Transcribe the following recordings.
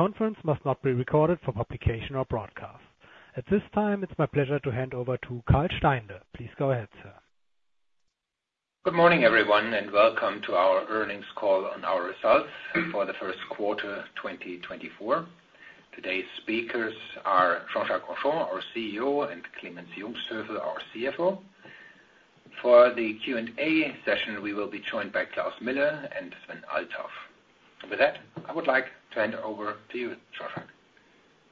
Conference must not be recorded for publication or broadcast. At this time, it's my pleasure to hand over to Karl Steinle. Please go ahead, sir. Good morning, everyone, and welcome to our earnings call on our results for the first quarter, 2024. Today's speakers are Jean-Jacques Henchoz, our CEO, and Clemens Jungsthöfel, our CFO. For the Q&A session, we will be joined by Klaus Miller and Sven Althoff. With that, I would like to hand over to you, Jean-Jacques.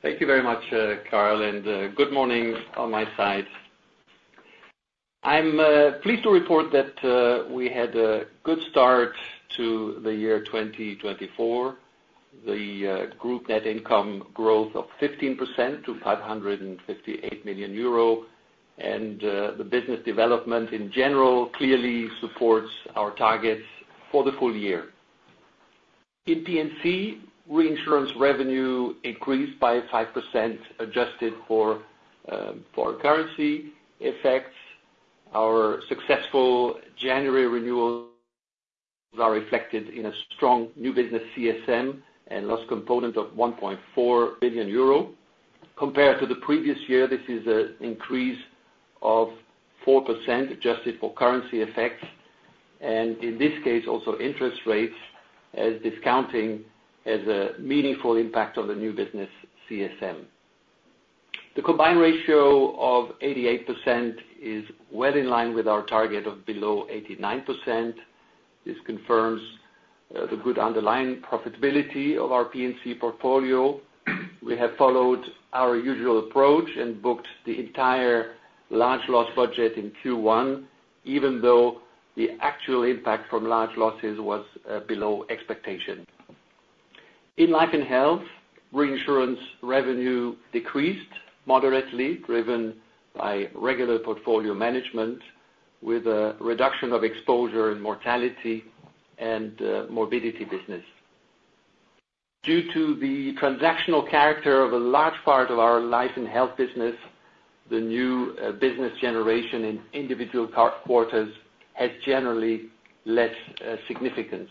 Thank you very much, Karl, and good morning on my side. I'm pleased to report that we had a good start to the year 2024. The group net income growth of 15% to 558 million euro, and the business development in general, clearly supports our targets for the full year. In P&C, reinsurance revenue increased by 5%, adjusted for currency effects. Our successful January renewals are reflected in a strong new business CSM and loss component of 1.4 billion euro. Compared to the previous year, this is an increase of 4%, adjusted for currency effects, and in this case, also interest rates, as discounting has a meaningful impact on the new business CSM. The combined ratio of 88% is well in line with our target of below 89%. This confirms the good underlying profitability of our P&C portfolio. We have followed our usual approach and booked the entire large loss budget in Q1, even though the actual impact from large losses was below expectation. In Life & Health, reinsurance revenue decreased moderately, driven by regular portfolio management, with a reduction of exposure in mortality and morbidity business. Due to the transactional character of a large part of our Life & Health business, the new business generation in individual calendar quarters has generally less significance.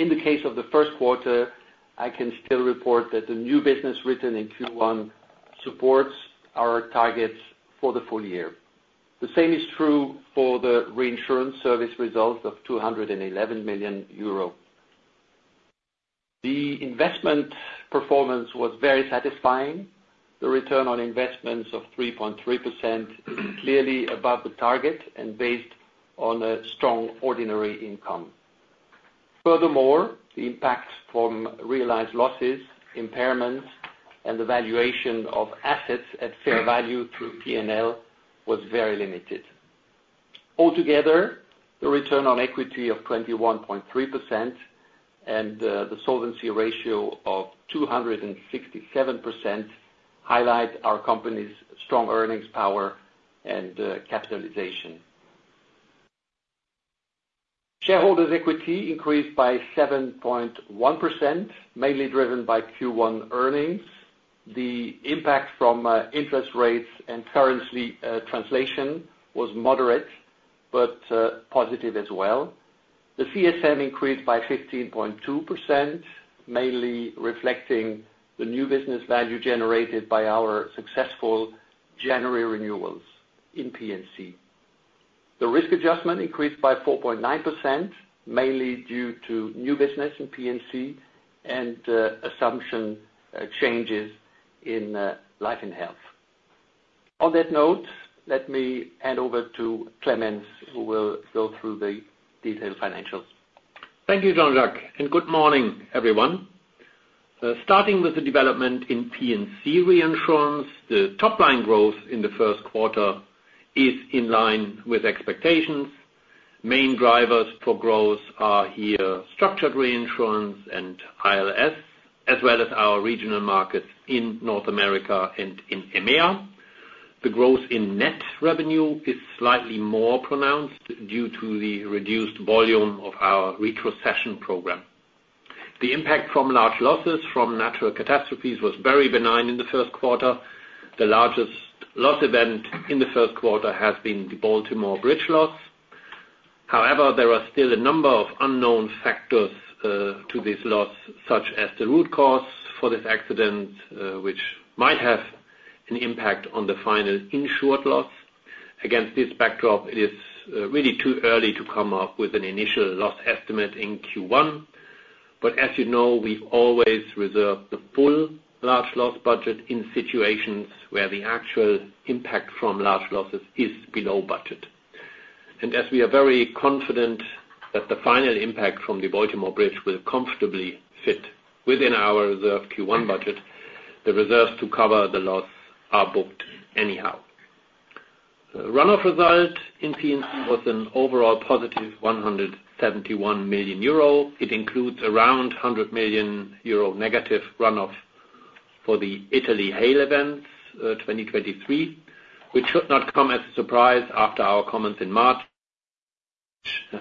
In the case of the first quarter, I can still report that the new business written in Q1 supports our targets for the full year. The same is true for the reinsurance service results of 211 million euro. The investment performance was very satisfying. The return on investments of 3.3%, clearly above the target and based on a strong ordinary income. Furthermore, the impact from realized losses, impairments, and the valuation of assets at fair value through P&L was very limited. Altogether, the return on equity of 21.3% and the solvency ratio of 267%, highlight our company's strong earnings power and capitalization. Shareholders' equity increased by 7.1%, mainly driven by Q1 earnings. The impact from interest rates and currency translation was moderate, but positive as well. The CSM increased by 15.2%, mainly reflecting the new business value generated by our successful January renewals in P&C. The risk adjustment increased by 4.9%, mainly due to new business in P&C and assumption changes in Life & Health. On that note, let me hand over to Clemens, who will go through the detailed financials. Thank you, Jean-Jacques, and good morning, everyone. Starting with the development in P&C reinsurance, the top line growth in the first quarter is in line with expectations. Main drivers for growth are here, structured reinsurance and ILS, as well as our regional markets in North America and in EMEA. The growth in net revenue is slightly more pronounced due to the reduced volume of our retrocession program. The impact from large losses from natural catastrophes was very benign in the first quarter. The largest loss event in the first quarter has been the Baltimore Bridge loss. However, there are still a number of unknown factors to this loss, such as the root cause for this accident, which might have an impact on the final insured loss. Against this backdrop, it is really too early to come up with an initial loss estimate in Q1. But as you know, we've always reserved the full large loss budget in situations where the actual impact from large losses is below budget. And as we are very confident that the final impact from the Baltimore Bridge will comfortably fit within our reserved Q1 budget, the reserves to cover the loss are booked anyhow. Runoff result in P&C was an overall positive 171 million euro. It includes around 100 million euro negative runoff for the Italy hail events, 2023, which should not come as a surprise after our comments in March,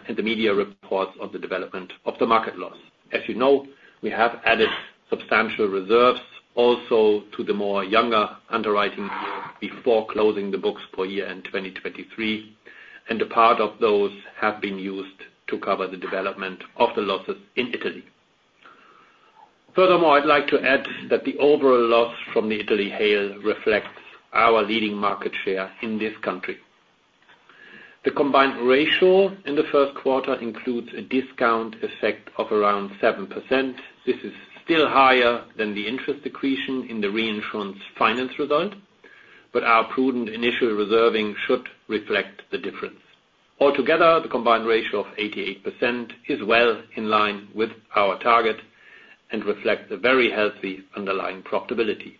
and the media reports of the development of the market loss. As you know, we have added substantial reserves also to the more younger underwriting year before closing the books for year-end 2023... and a part of those have been used to cover the development of the losses in Italy. Furthermore, I'd like to add that the overall loss from the Italy hail reflects our leading market share in this country. The combined ratio in the first quarter includes a discount effect of around 7%. This is still higher than the interest accretion in the reinsurance finance result, but our prudent initial reserving should reflect the difference. Altogether, the combined ratio of 88% is well in line with our target and reflects a very healthy underlying profitability.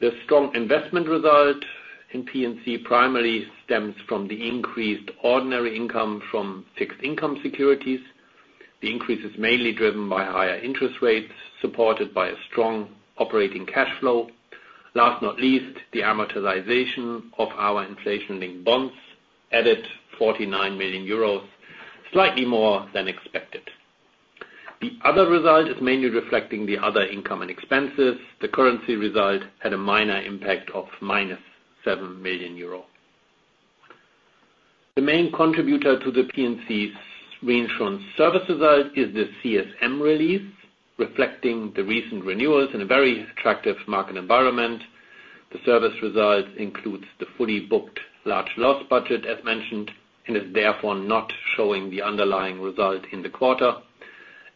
The strong investment result in P&C primarily stems from the increased ordinary income from fixed income securities. The increase is mainly driven by higher interest rates, supported by a strong operating cash flow. Last, not least, the amortization of our inflation-linked bonds added 49 million euros, slightly more than expected. The other result is mainly reflecting the other income and expenses. The currency result had a minor impact of minus 7 million euro. The main contributor to the P&C's reinsurance service result is the CSM release, reflecting the recent renewals in a very attractive market environment. The service result includes the fully booked large loss budget, as mentioned, and is therefore not showing the underlying result in the quarter.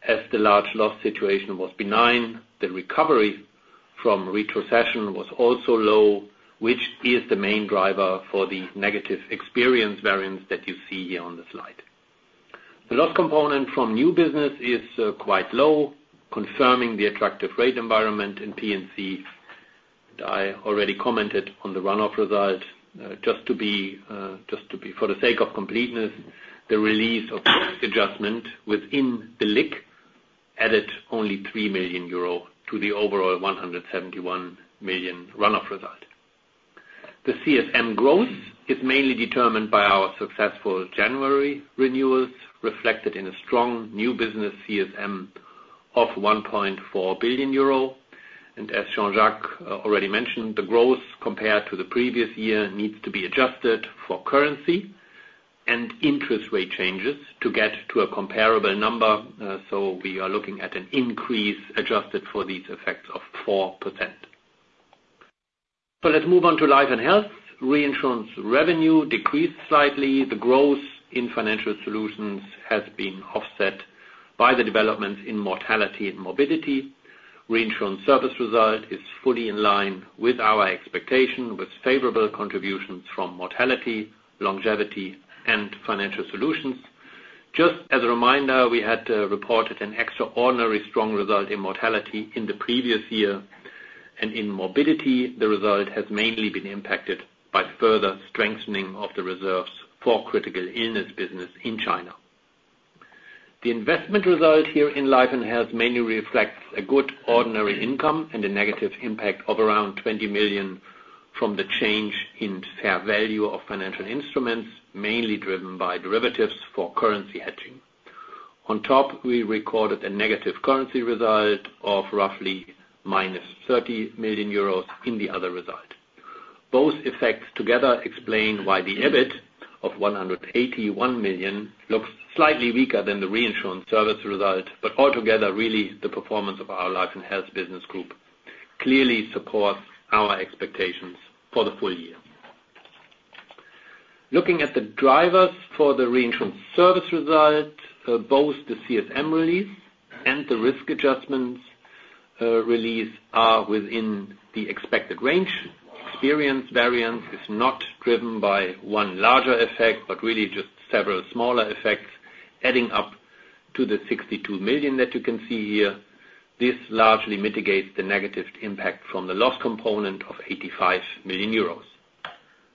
As the large loss situation was benign, the recovery from retrocession was also low, which is the main driver for the negative experience variance that you see here on the slide. The loss component from new business is quite low, confirming the attractive rate environment in P&C. I already commented on the run-off result. Just to be, just to be for the sake of completeness, the release of adjustment within the LIC added only 3 million euro to the overall 171 million run-off result. The CSM growth is mainly determined by our successful January renewals, reflected in a strong new business CSM of 1.4 billion euro. And as Jean-Jacques already mentioned, the growth compared to the previous year needs to be adjusted for currency and interest rate changes to get to a comparable number. So we are looking at an increase adjusted for these effects of 4%. Let's move on to Life & Health. Reinsurance revenue decreased slightly. The growth in Financial Solutions has been offset by the developments in mortality and morbidity. Reinsurance service result is fully in line with our expectation, with favorable contributions from mortality, longevity, and Financial Solutions. Just as a reminder, we had reported an extraordinary strong result in mortality in the previous year, and in morbidity, the result has mainly been impacted by further strengthening of the reserves for critical illness business in China. The investment result here in Life & Health mainly reflects a good ordinary income and a negative impact of around 20 million from the change in fair value of financial instruments, mainly driven by derivatives for currency hedging. On top, we recorded a negative currency result of roughly -30 million euros in the other result. Both effects together explain why the EBIT of 181 million looks slightly weaker than the reinsurance service result. But altogether, really, the performance of our Life & Health business group clearly supports our expectations for the full year. Looking at the drivers for the reinsurance service result, both the CSM release and the risk adjustments release are within the expected range. Experience variance is not driven by one larger effect, but really just several smaller effects, adding up to the 62 million that you can see here. This largely mitigates the negative impact from the loss component of 85 million euros.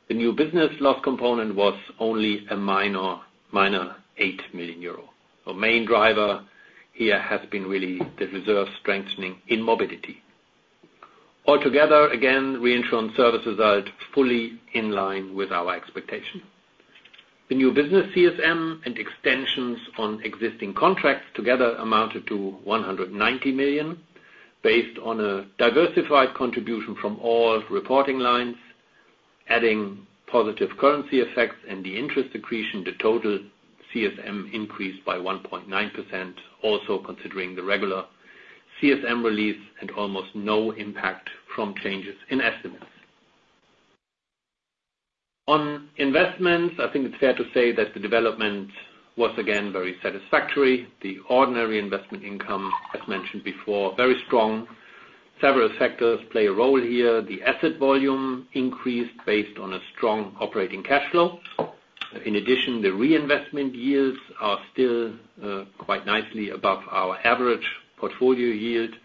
The new business loss component was only a minor, minor 8 million euro. The main driver here has been really the reserve strengthening in morbidity. Altogether, again, reinsurance service result fully in line with our expectation. The new business CSM and extensions on existing contracts together amounted to 190 million, based on a diversified contribution from all reporting lines, adding positive currency effects and the interest accretion, the total CSM increased by 1.9%, also considering the regular CSM release and almost no impact from changes in estimates. On investments, I think it's fair to say that the development was again, very satisfactory. The ordinary investment income, as mentioned before, very strong. Several factors play a role here. The asset volume increased based on a strong operating cash flow. In addition, the reinvestment yields are still, quite nicely above our average portfolio yield,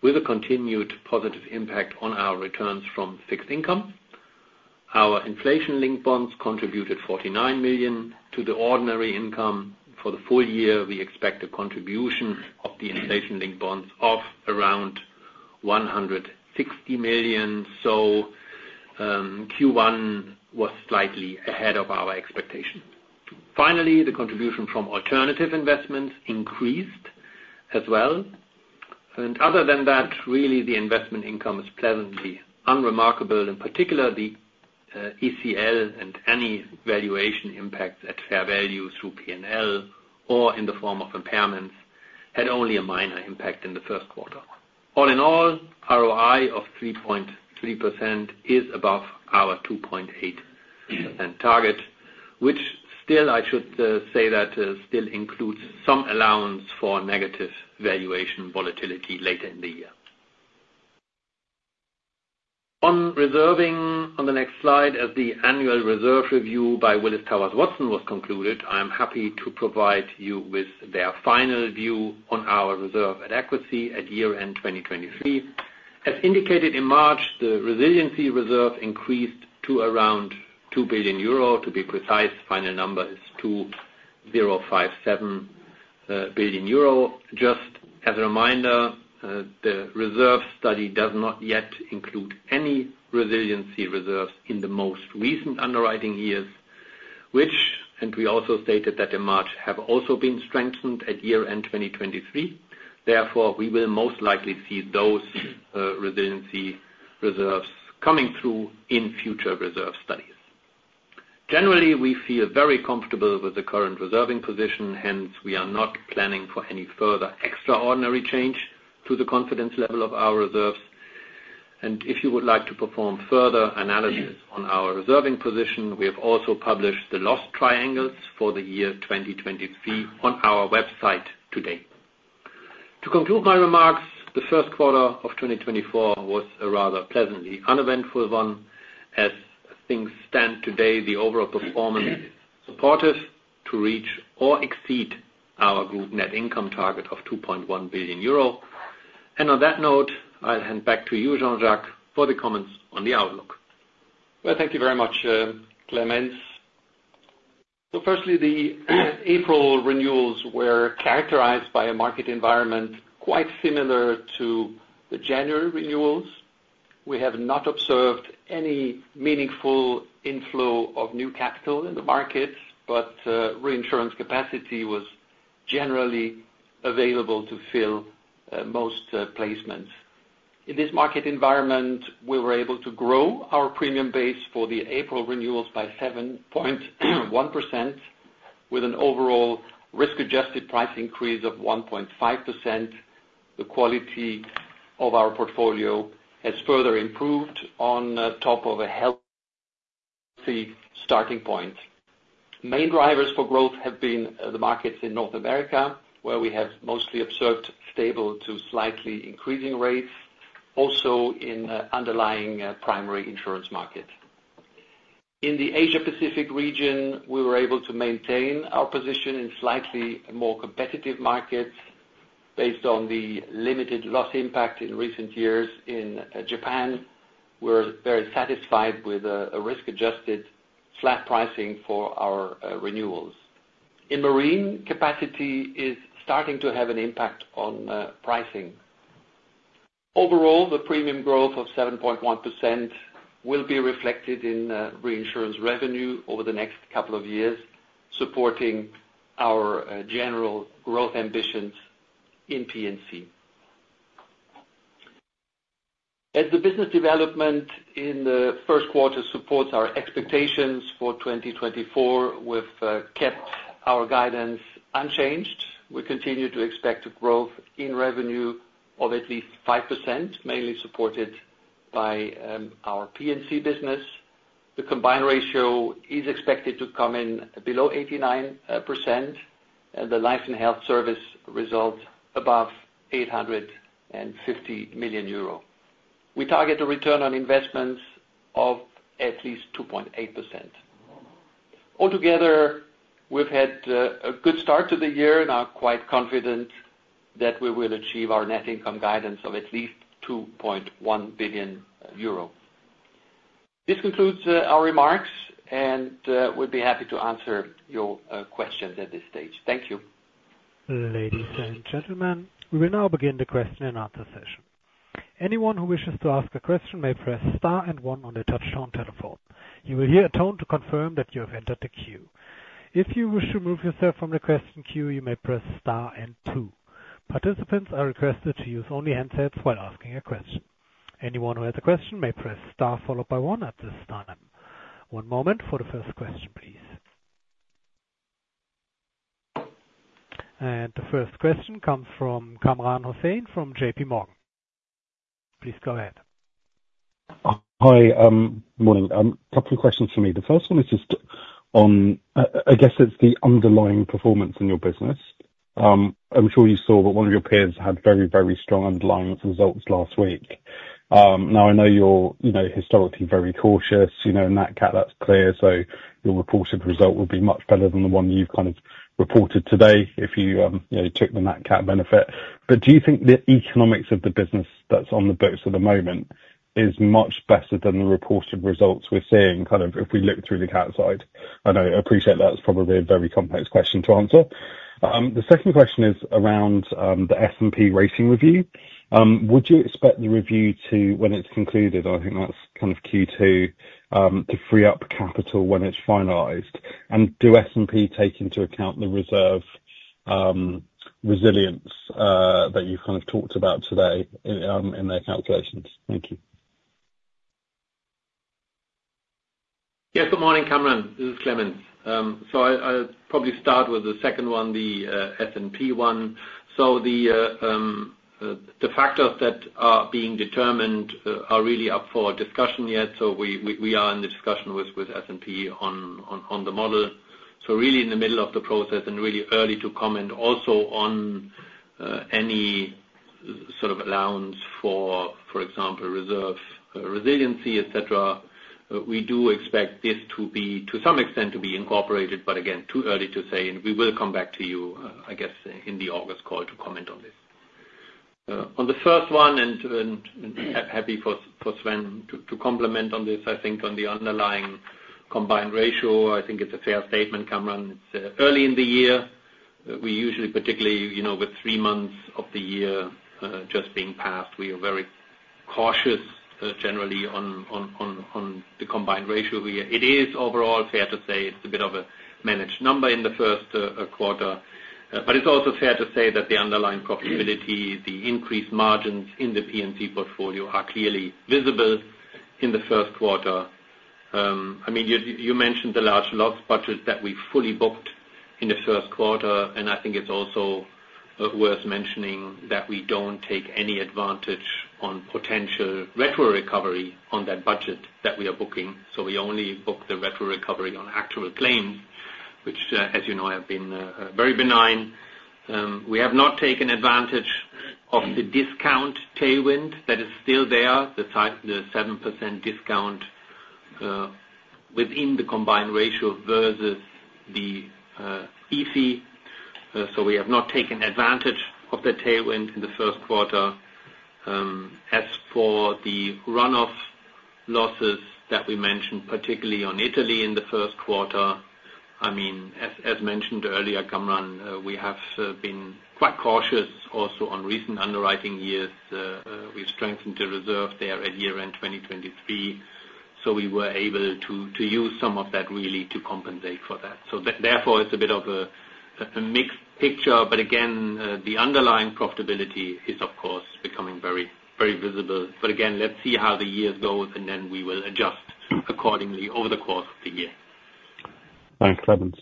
with a continued positive impact on our returns from fixed income. Our inflation-linked bonds contributed 49 million to the ordinary income. For the full year, we expect a contribution of the inflation-linked bonds of around 160 million. So, Q1 was slightly ahead of our expectation. Finally, the contribution from alternative investments increased as well... Other than that, really, the investment income is pleasantly unremarkable. In particular, the ECL and any valuation impact at fair value through P&L or in the form of impairments, had only a minor impact in the first quarter. All in all, ROI of 3.3% is above our 2.8% target, which still, I should say that, still includes some allowance for negative valuation volatility later in the year. On reserving, on the next slide, as the annual reserve review by Willis Towers Watson was concluded, I am happy to provide you with their final view on our reserve adequacy at year-end 2023. As indicated in March, the Resiliency Reserve increased to around 2 billion euro. To be precise, final number is 2.057 billion euro. Just as a reminder, the reserve study does not yet include any resiliency reserves in the most recent underwriting years, which, and we also stated that in March, have also been strengthened at year-end, 2023. Therefore, we will most likely see those, resiliency reserves coming through in future reserve studies. Generally, we feel very comfortable with the current reserving position, hence, we are not planning for any further extraordinary change to the confidence level of our reserves. And if you would like to perform further analysis on our reserving position, we have also published the loss triangles for the year 2023 on our website today. To conclude my remarks, the first quarter of 2024 was a rather pleasantly uneventful one. As things stand today, the overall performance supportive to reach or exceed our group net income target of 2.1 billion euro. On that note, I'll hand back to you, Jean-Jacques, for the comments on the outlook. Well, thank you very much, Clemens. So firstly, the April renewals were characterized by a market environment quite similar to the January renewals. We have not observed any meaningful inflow of new capital in the market, but reinsurance capacity was generally available to fill most placements. In this market environment, we were able to grow our premium base for the April renewals by 7.1%, with an overall risk-adjusted price increase of 1.5%. The quality of our portfolio has further improved on top of a healthy starting point. Main drivers for growth have been the markets in North America, where we have mostly observed stable to slightly increasing rates, also in underlying primary insurance markets. In the Asia Pacific region, we were able to maintain our position in slightly more competitive markets based on the limited loss impact in recent years. In Japan, we're very satisfied with a risk-adjusted flat pricing for our renewals. In marine, capacity is starting to have an impact on pricing. Overall, the premium growth of 7.1% will be reflected in reinsurance revenue over the next couple of years, supporting our general growth ambitions in P&C. As the business development in the first quarter supports our expectations for 2024, we've kept our guidance unchanged. We continue to expect growth in revenue of at least 5%, mainly supported by our P&C business. The combined ratio is expected to come in below 89%, and the Life & Health service result, above 850 million euro. We target a return on investments of at least 2.8%. Altogether, we've had a good start to the year and are quite confident that we will achieve our net income guidance of at least 2.1 billion euro. This concludes our remarks, and we'd be happy to answer your questions at this stage. Thank you. Ladies and gentlemen, we will now begin the question and answer session. Anyone who wishes to ask a question may press star and one on their touchtone telephone. You will hear a tone to confirm that you have entered the queue. If you wish to remove yourself from the question queue, you may press star and two. Participants are requested to use only handsets while asking a question. Anyone who has a question may press star, followed by one at this time. One moment for the first question, please. The first question comes from Kamran Hossain from JPMorgan. Please go ahead. Hi. Morning. A couple of questions from me. The first one is just on, I guess it's the underlying performance in your business. I'm sure you saw that one of your peers had very, very strong underlying results last week. Now, I know you're, you know, historically very cautious, you know, in that cat, that's clear, so your reported result will be much better than the one you've kind of reported today, if you, you know, took the cat benefit. But do you think the economics of the business that's on the books at the moment is much better than the reported results we're seeing, kind of, if we look through the cat's eye? I know. I appreciate that's probably a very complex question to answer. The second question is around, the S&P rating review. Would you expect the review to, when it's concluded, I think that's kind of Q2, to free up capital when it's finalized? And do S&P take into account the reserve resilience that you've kind of talked about today in their calculations? Thank you. Yes, good morning, Kamran. This is Clemens. So I, I'll probably start with the second one, the S&P one. So the factors that are being determined are really up for discussion yet. So we are in the discussion with S&P on the model. So really in the middle of the process, and really early to comment also on any sort of allowance for, for example, reserve resiliency, et cetera. We do expect this to be, to some extent, to be incorporated, but again, too early to say, and we will come back to you, I guess, in the August call to comment on this. On the first one, and happy for Sven to complement on this, I think on the underlying combined ratio, I think it's a fair statement, Kamran. It's early in the year. We usually, particularly, you know, with three months of the year just being passed, we are very cautious generally on the Combined Ratio. It is overall fair to say it's a bit of a managed number in the first quarter. But it's also fair to say that the underlying profitability, the increased margins in the P&C portfolio are clearly visible in the first quarter. I mean, you mentioned the large loss budget that we fully booked in the first quarter, and I think it's also worth mentioning that we don't take any advantage on potential retro recovery on that budget that we are booking. So we only book the retro recovery on actual claims, which, as you know, have been very benign. We have not taken advantage of the discount tailwind. That is still there, the 7% discount within the combined ratio versus the EC. So we have not taken advantage of that tailwind in the first quarter. As for the run-off losses that we mentioned, particularly on Italy in the first quarter, I mean, as mentioned earlier, Kamran, we have been quite cautious also on recent underwriting years. We've strengthened the reserve there at year-end 2023, so we were able to use some of that really to compensate for that. So therefore, it's a bit of a mixed picture. But again, the underlying profitability is, of course, becoming very, very visible. But again, let's see how the years go, and then we will adjust accordingly over the course of the year. Thanks, Clemens.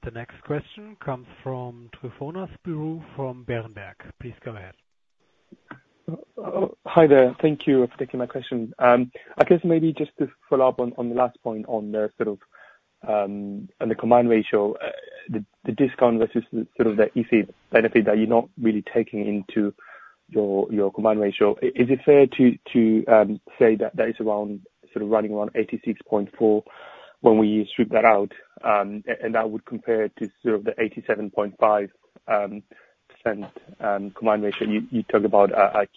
The next question comes from Tryfonas Spyrou from Berenberg. Please go ahead. Hi there. Thank you for taking my question. I guess maybe just to follow up on the last point on the sort of on the combined ratio, the discount versus sort of the EC benefit that you're not really taking into your combined ratio. Is it fair to say that that is around sort of running around 86.4 when we strip that out? And that would compare to sort of the 87.5% combined ratio you talked about at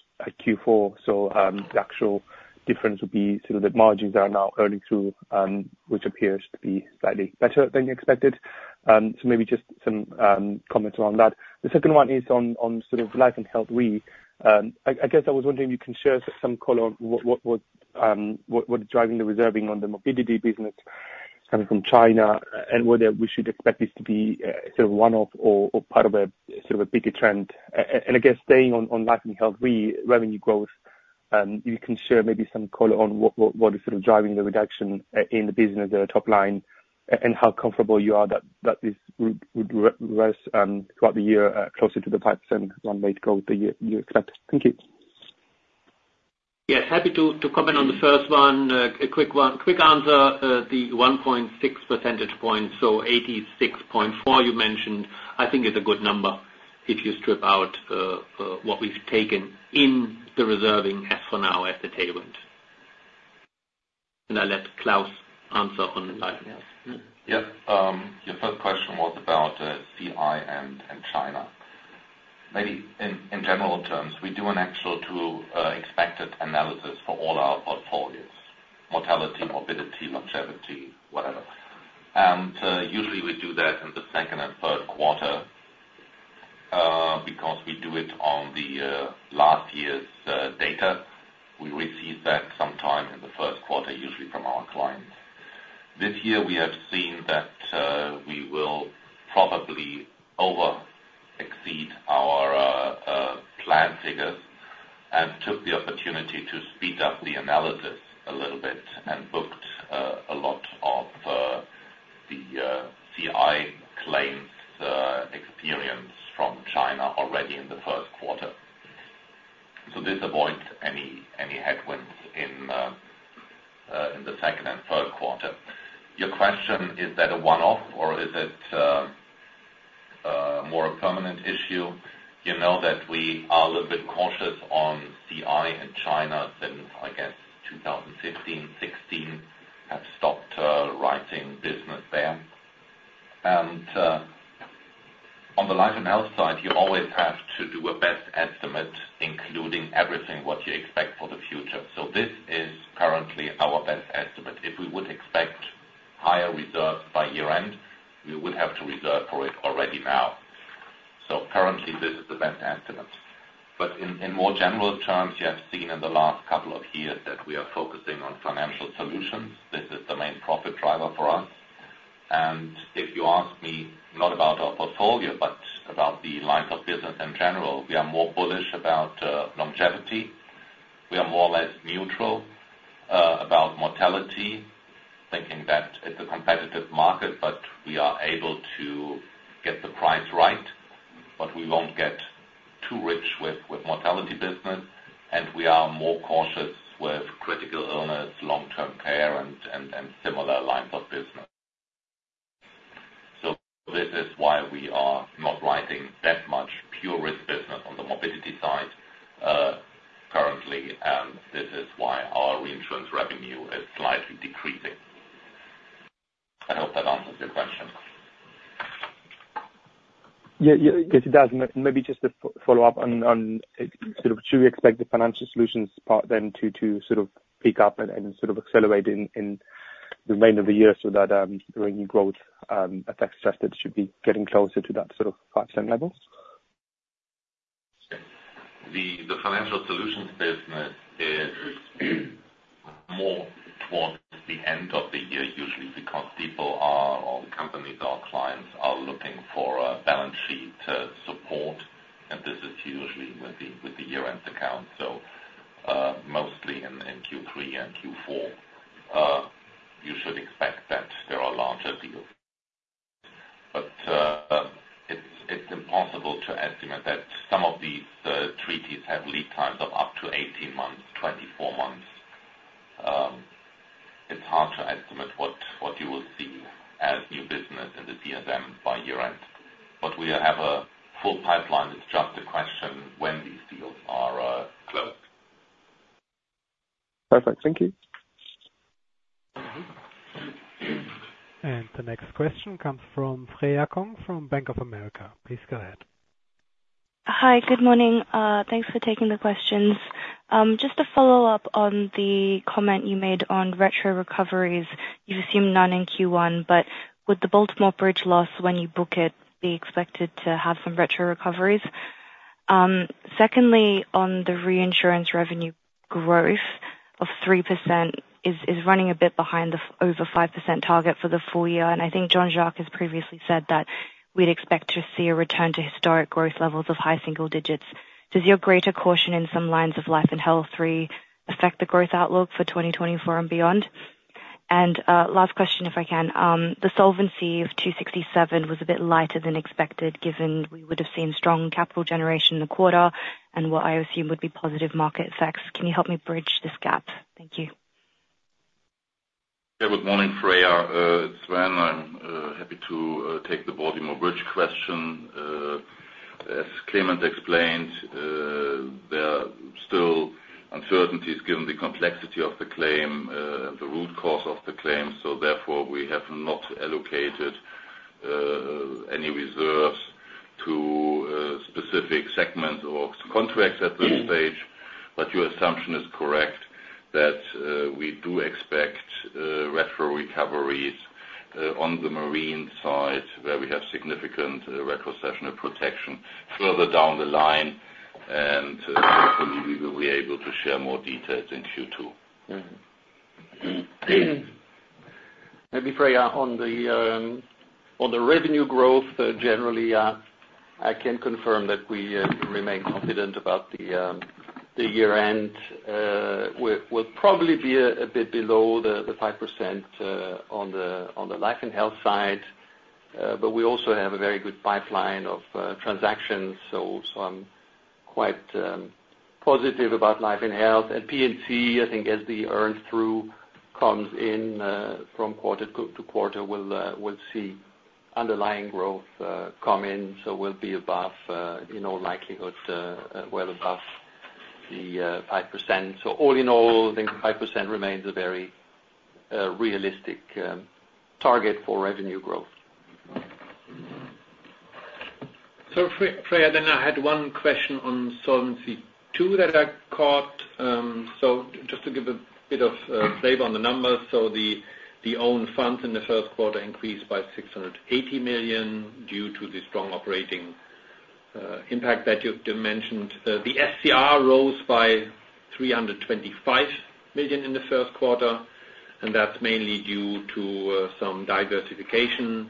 Q4. So the actual difference would be sort of the margins that are now early through, which appears to be slightly better than you expected. So maybe just some comments around that. The second one is on sort of Life & Health re. I guess I was wondering if you can share some color on what is driving the reserving on the morbidity business coming from China, and whether we should expect this to be sort of one-off or part of a sort of a bigger trend. And, I guess, staying on Life & Health re, revenue growth, you can share maybe some color on what is sort of driving the reduction in the business or the top line, and how comfortable you are that this would rise throughout the year closer to the 5% run rate goal that you expect. Thank you. Yes, happy to, to comment on the first one. A quick one - quick answer. The 1.6 percentage points, so 86.4 you mentioned, I think is a good number, if you strip out what we've taken in the reserving as for now at the tailwind. And I'll let Klaus answer on the life re. Yeah. Your first question was about CI and China. Maybe in general terms, we do an actual to expected analysis for all our portfolios, mortality, morbidity, longevity, whatever. And usually we do that in the second and third quarter because we do it on last year's data. We receive that sometime in the first quarter, usually from our clients. This year, we have seen that we will probably over exceed our plan figures, and took the opportunity to speed up the analysis a little bit and booked a lot of the CI claims experience from China already in the first quarter. So this avoids any headwinds in the second and third quarter. Your question, is that a one-off or is it more a permanent issue? You know that we are a little bit cautious on CI in China since, I guess, 2015, 2016, we have stopped writing business there. And on the Life & Health side, you always have to do a best estimate, including everything what you expect for the future. So this is currently our best estimate. If we would expect higher reserves by year-end, we would have to reserve for it already now. So currently, this is the best estimate. But in more general terms, you have seen in the last couple of years that we are focusing on Financial Solutions. This is the main profit driver for us. And if you ask me, not about our portfolio, but about the lines of business in general, we are more bullish about longevity. We are more or less neutral about mortality, thinking that it's a competitive market, but we are able to get the price right, but we won't get too rich with mortality business, and we are more cautious with critical illness, long-term care, and similar lines of business. So this is why we are not writing that much pure risk business on the morbidity side currently, and this is why our reinsurance revenue is slightly decreasing. I hope that answers your question. Yeah, yeah, yes, it does. Maybe just a follow-up on, on, sort of, should we expect the Financial Solutions part then to, to sort of pick up and, and sort of accelerate in, in the remainder of the year so that, the revenue growth, effects tested should be getting closer to that sort of 5% level? The Financial Solutions business is more towards the end of the year, usually because people are, or companies, our clients, are looking for a balance sheet to support, and this is usually with the year-end account. So, mostly in Q3 and Q4, you should expect that there are larger deals. But, it's impossible to estimate that. Some of these treaties have lead times of up to 18 months, 24 months. It's hard to estimate what you will see as new business in the CSM by year-end. But we have a full pipeline. It's just a question when these deals are closed. Perfect. Thank you. The next question comes from Freya Kong from Bank of America. Please go ahead. Hi, good morning. Thanks for taking the questions. Just to follow up on the comment you made on retro recoveries, you assumed none in Q1, but with the Baltimore Bridge loss, when you book it, do you expect it to have some retro recoveries? Secondly, on the reinsurance revenue growth of 3% is, is running a bit behind the over 5% target for the full year, and I think Jean-Jacques has previously said that we'd expect to see a return to historic growth levels of high single digits. Does your greater caution in some lines of Life & Health Re affect the growth outlook for 2024 and beyond? And, last question, if I can. The Solvency II of 267 was a bit lighter than expected, given we would have seen strong capital generation in the quarter and what I assume would be positive market effects. Can you help me bridge this gap? Thank you. Yeah, good morning, Freya. It's Sven. I'm happy to take the Baltimore Bridge question. As Clemens explained, there are still uncertainties given the complexity of the claim, the root cause of the claim, so therefore, we have not allocated any reserves to specific segments or contracts at this stage. But your assumption is correct, that we do expect retro recoveries on the marine side, where we have significant retrocessional protection further down the line, and hopefully, we will be able to share more details in Q2. Maybe, Freya, on the revenue growth, generally, I can confirm that we remain confident about the year-end. We'll probably be a bit below the 5% on the Life & Health side, but we also have a very good pipeline of transactions. So I'm quite positive about Life & Health. At P&C, I think as the earn through comes in from quarter to quarter, we'll see underlying growth come in, so we'll be above, in all likelihood, well above the 5%. So all in all, I think 5% remains a very realistic target for revenue growth. So Freya, then I had one question on solvency too, that I caught. So just to give a bit of flavor on the numbers. So the own funds in the first quarter increased by 680 million due to the strong operating impact that you've mentioned. The SCR rose by 325 million in the first quarter, and that's mainly due to some diversification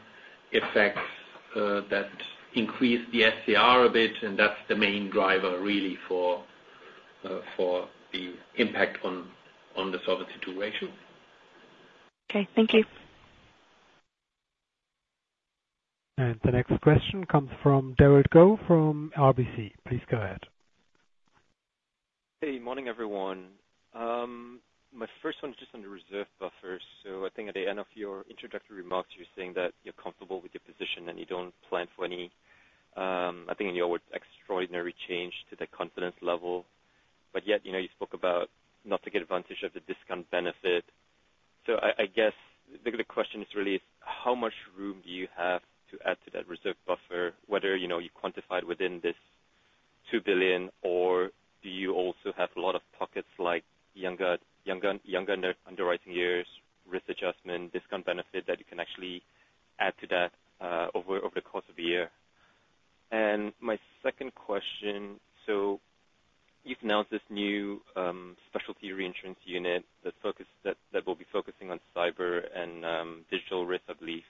effects that increased the SCR a bit, and that's the main driver, really, for the impact on the Solvency II ratio. Okay. Thank you. The next question comes from Durrant Quinn from RBC. Please go ahead. Hey, morning, everyone. My first one is just on the reserve buffers. So I think at the end of your introductory remarks, you're saying that you're comfortable with your position and you don't plan for any, I think in your words, extraordinary change to the confidence level. But yet, you know, you spoke about not to take advantage of the discount benefit. So I guess, the question is really is: How much room do you have to add to that reserve buffer, whether, you know, you quantified within this 2 billion, or do you also have a lot of pockets like younger underwriting years, risk adjustment, discount benefit, that you can actually add to that, over the course of the year? My second question, so you've announced this new specialty reinsurance unit that will be focusing on cyber and digital risk, I believe.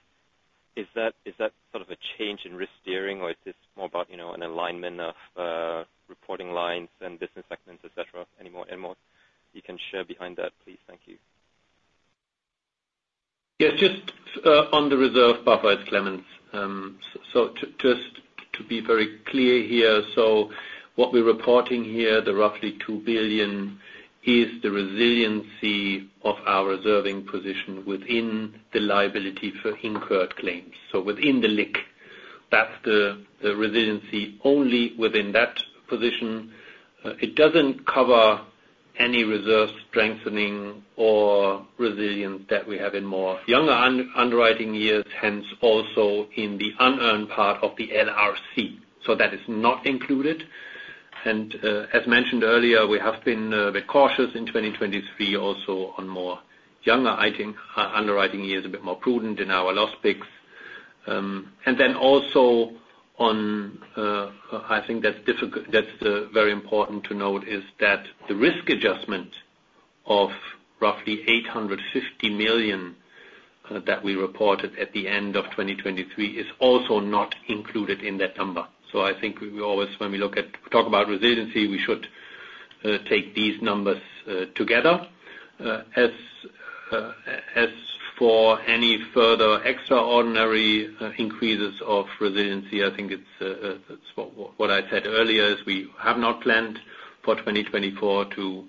Is that sort of a change in risk steering, or is this more about, you know, an alignment of reporting lines and business segments, et cetera? Any more you can share behind that, please? Thank you. Yeah, just, on the reserve part, it's Clemens. So just to be very clear here, so what we're reporting here, the roughly 2 billion, is the resiliency of our reserving position within the liability for incurred claims, so within the LIC. That's the, the resiliency only within that position. It doesn't cover any reserve strengthening or resilience that we have in more younger underwriting years, hence also in the unearned part of the LRC. So that is not included. And, as mentioned earlier, we have been, a bit cautious in 2023, also on more younger underwriting years, a bit more prudent in our loss picks. And then also on, I think that's very important to note is that the risk adjustment of roughly 850 million that we reported at the end of 2023 is also not included in that number. So I think we always, when we look at, talk about resiliency, we should take these numbers together. As for any further extraordinary increases of resiliency, I think that's what I said earlier, is we have not planned for 2024 to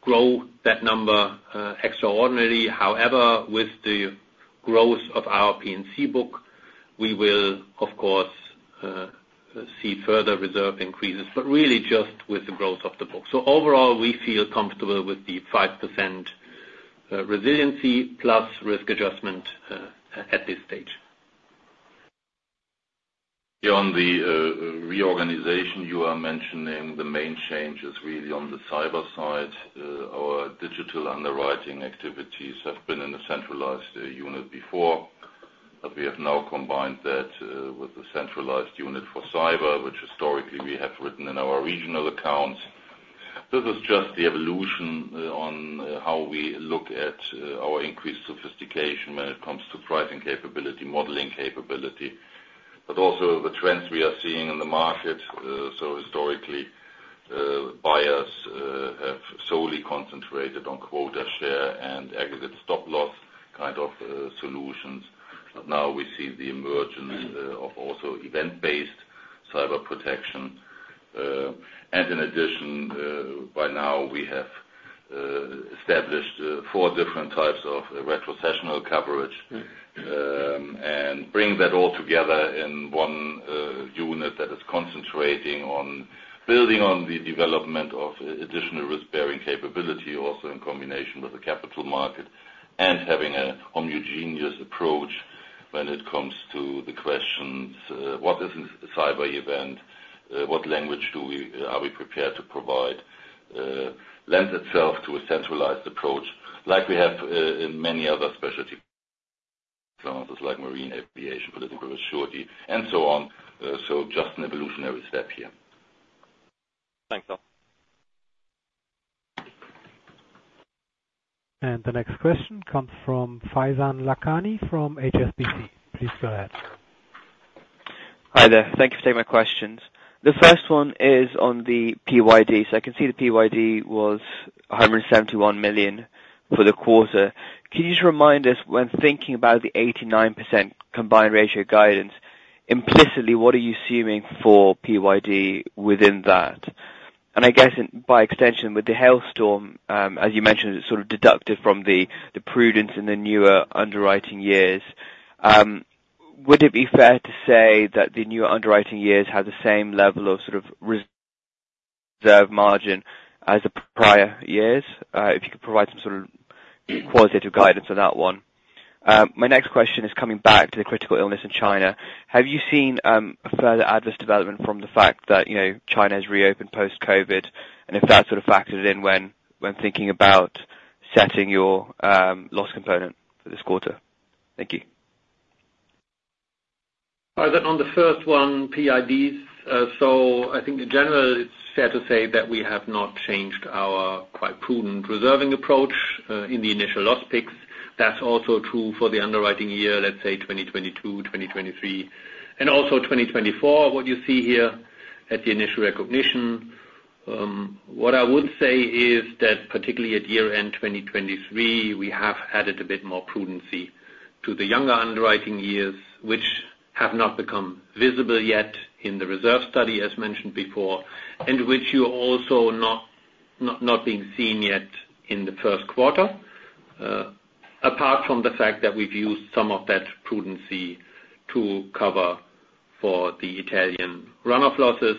grow that number extraordinarily. However, with the growth of our P&C book, we will, of course, see further reserve increases, but really just with the growth of the book. So overall, we feel comfortable with the 5% resiliency plus risk adjustment at this stage. On the reorganization, you are mentioning the main change is really on the cyber side. Our digital underwriting activities have been in a centralized unit before, but we have now combined that with the centralized unit for cyber, which historically we have written in our regional accounts. This is just the evolution on how we look at our increased sophistication when it comes to pricing capability, modeling capability. But also the trends we are seeing in the market, so historically, buyers have solely concentrated on quota share and aggregate stop-loss kind of solutions. But now we see the emergence of also event-based cyber protection. And in addition, by now we have established four different types of retrocessional coverage. And bring that all together in one unit that is concentrating on building on the development of additional risk-bearing capability, also in combination with the capital market, and having a homogeneous approach when it comes to the questions: What is a cyber event? What language are we prepared to provide? Lends itself to a centralized approach, like we have in many other specialty classes, like marine, aviation, political surety, and so on. So just an evolutionary step here. Thanks a lot. The next question comes from Faizan Lakhani from HSBC. Please go ahead. Hi there. Thank you for taking my questions. The first one is on the PYD. So I can see the PYD was 171 million for the quarter. Can you just remind us, when thinking about the 89% combined ratio guidance, implicitly, what are you assuming for PYD within that? And I guess in, by extension, with the hailstorm, as you mentioned, it's sort of deducted from the prudence in the newer underwriting years. Would it be fair to say that the newer underwriting years have the same level of sort of reserve margin as the prior years? If you could provide some sort of qualitative guidance on that one. My next question is coming back to the critical illness in China. Have you seen a further adverse development from the fact that, you know, China has reopened post-COVID, and if that sort of factored in when thinking about setting your loss component for this quarter? Thank you. That, on the first one, PYDs, so I think in general, it's fair to say that we have not changed our quite prudent reserving approach in the initial loss picks. That's also true for the underwriting year, let's say 2022, 2023, and also 2024, what you see here at the initial recognition. What I would say is that particularly at year-end 2023, we have added a bit more prudency to the younger underwriting years, which have not become visible yet in the reserve study, as mentioned before, and which you're also not being seen yet in the first quarter, apart from the fact that we've used some of that prudency to cover for the Italian runoff losses.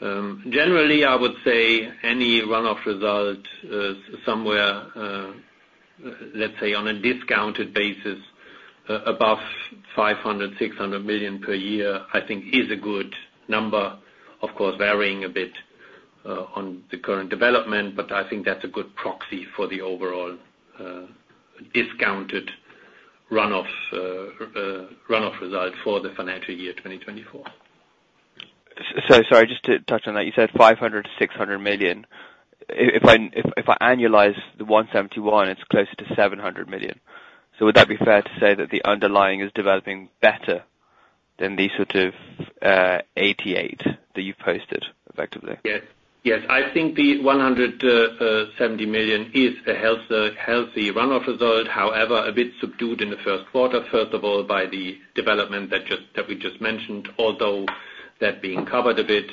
Generally, I would say any runoff result, somewhere, let's say on a discounted basis, above 500 million-600 million per year, I think is a good number. Of course, varying a bit, on the current development, but I think that's a good proxy for the overall, discounted runoff, runoff result for the financial year 2024. So sorry, just to touch on that, you said 500 million-600 million. If I, if I annualize the 171, it's closer to 700 million. So would that be fair to say that the underlying is developing better than the sort of 88 that you've posted, effectively? Yes. Yes, I think the 170 million is a healthy runoff result. However, a bit subdued in the first quarter, first of all, by the development that we just mentioned, although that being covered a bit.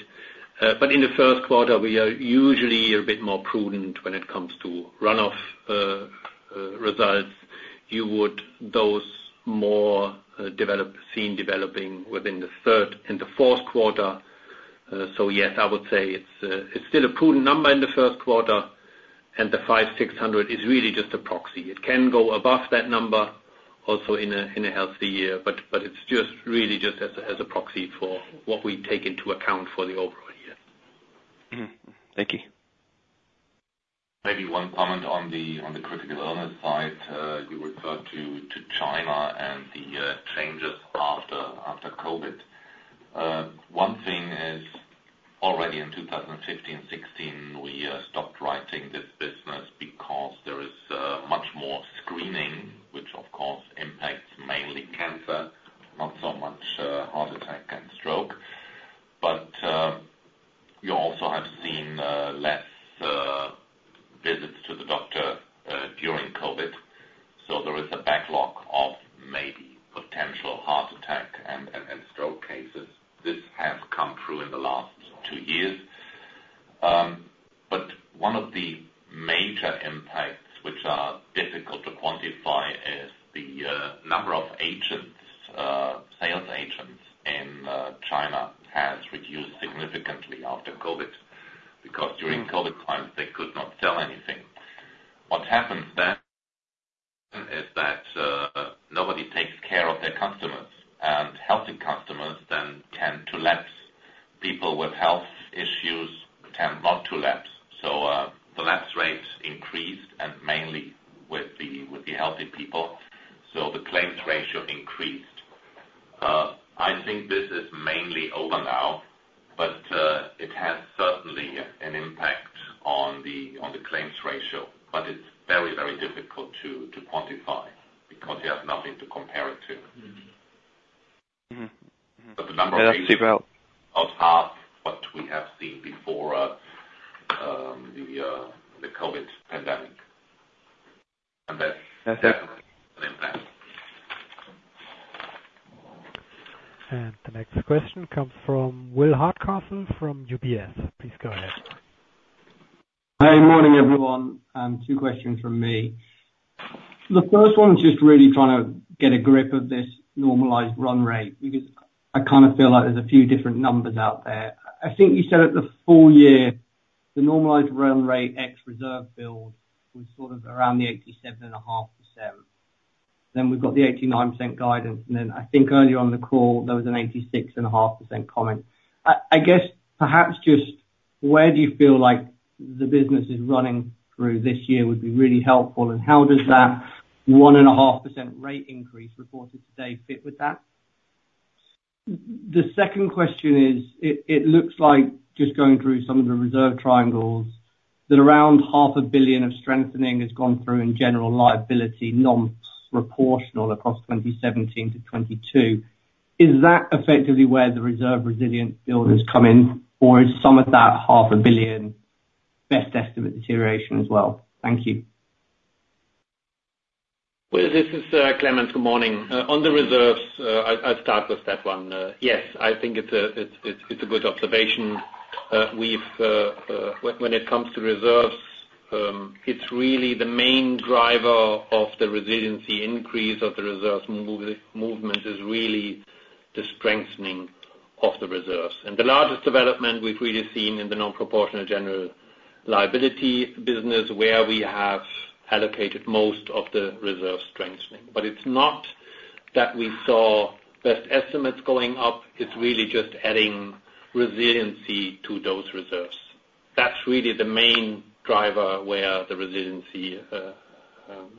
But in the first quarter, we are usually a bit more prudent when it comes to runoff results. You would see those more developing within the third and the fourth quarter. So yes, I would say it's still a prudent number in the first quarter, and the 500-600 is really just a proxy. It can go above that number also in a healthy year, but it's just really just as a proxy for what we take into account for the overall year. Mm-hmm. Thank you. Maybe one comment on the critical illness side. You referred to China and the changes after COVID. One thing is already in 2015 and 2016, we stopped writing this business because there is much more screening, which, of course, impacts mainly cancer, not so much heart attack and stroke. But you also have seen less visits to the doctor during COVID, so there is a backlog of maybe potential heart attack and stroke cases. This has come through in the last two years. But one of the major impacts, which are difficult to quantify, is the number of agents, sales agents in China, has reduced significantly after COVID, because during COVID time, they could not sell anything. What happens then is that nobody takes care of their customers, and healthy customers then tend to lapse. People with health issues tend not to lapse, so the lapse rates increased, and mainly with the healthy people, so the claims ratio increased. I think this is mainly over now, but it has certainly an impact on the claims ratio, but it's very, very difficult to quantify, because you have nothing to compare it to. Mm-hmm. Mm-hmm. The number of people are half what we have seen before the COVID pandemic. That's definitely an impact. The next question comes from Will Hardcastle from UBS. Please go ahead. Hey, morning, everyone. Two questions from me. The first one's just really trying to get a grip of this normalized run rate, because I kind of feel like there's a few different numbers out there. I think you said at the full year, the normalized run rate ex-reserve build was sort of around the 87.5%. Then we've got the 89% guidance, and then I think earlier on the call, there was an 86.5% comment. I guess perhaps just where do you feel like the business is running through this year would be really helpful, and how does that 1.5% rate increase reported today fit with that? The second question is, it looks like, just going through some of the reserve triangles, that around 500 million of strengthening has gone through in general liability, non-proportional across 2017 to 2022. Is that effectively where the reserve resilience build has come in, or is some of that 500 million best estimate deterioration as well? Thank you. Well, this is Clemens. Good morning. On the reserves, I'll start with that one. Yes, I think it's a good observation. When it comes to reserves, it's really the main driver of the resiliency increase of the reserves. Movement is really the strengthening of the reserves. And the largest development we've really seen in the non-proportional general liability business, where we have allocated most of the reserve strengthening. But it's not that we saw best estimates going up, it's really just adding resiliency to those reserves. That's really the main driver where the resiliency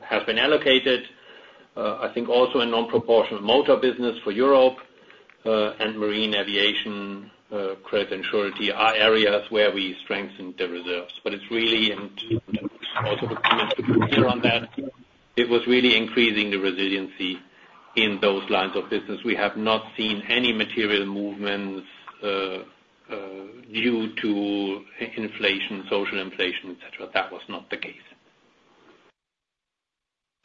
has been allocated. I think also in non-proportional motor business for Europe, and marine aviation, credit and surety, are areas where we strengthened the reserves. But it's really, and also on that, it was really increasing the resiliency in those lines of business. We have not seen any material movements due to inflation, social inflation, et cetera. That was not the case.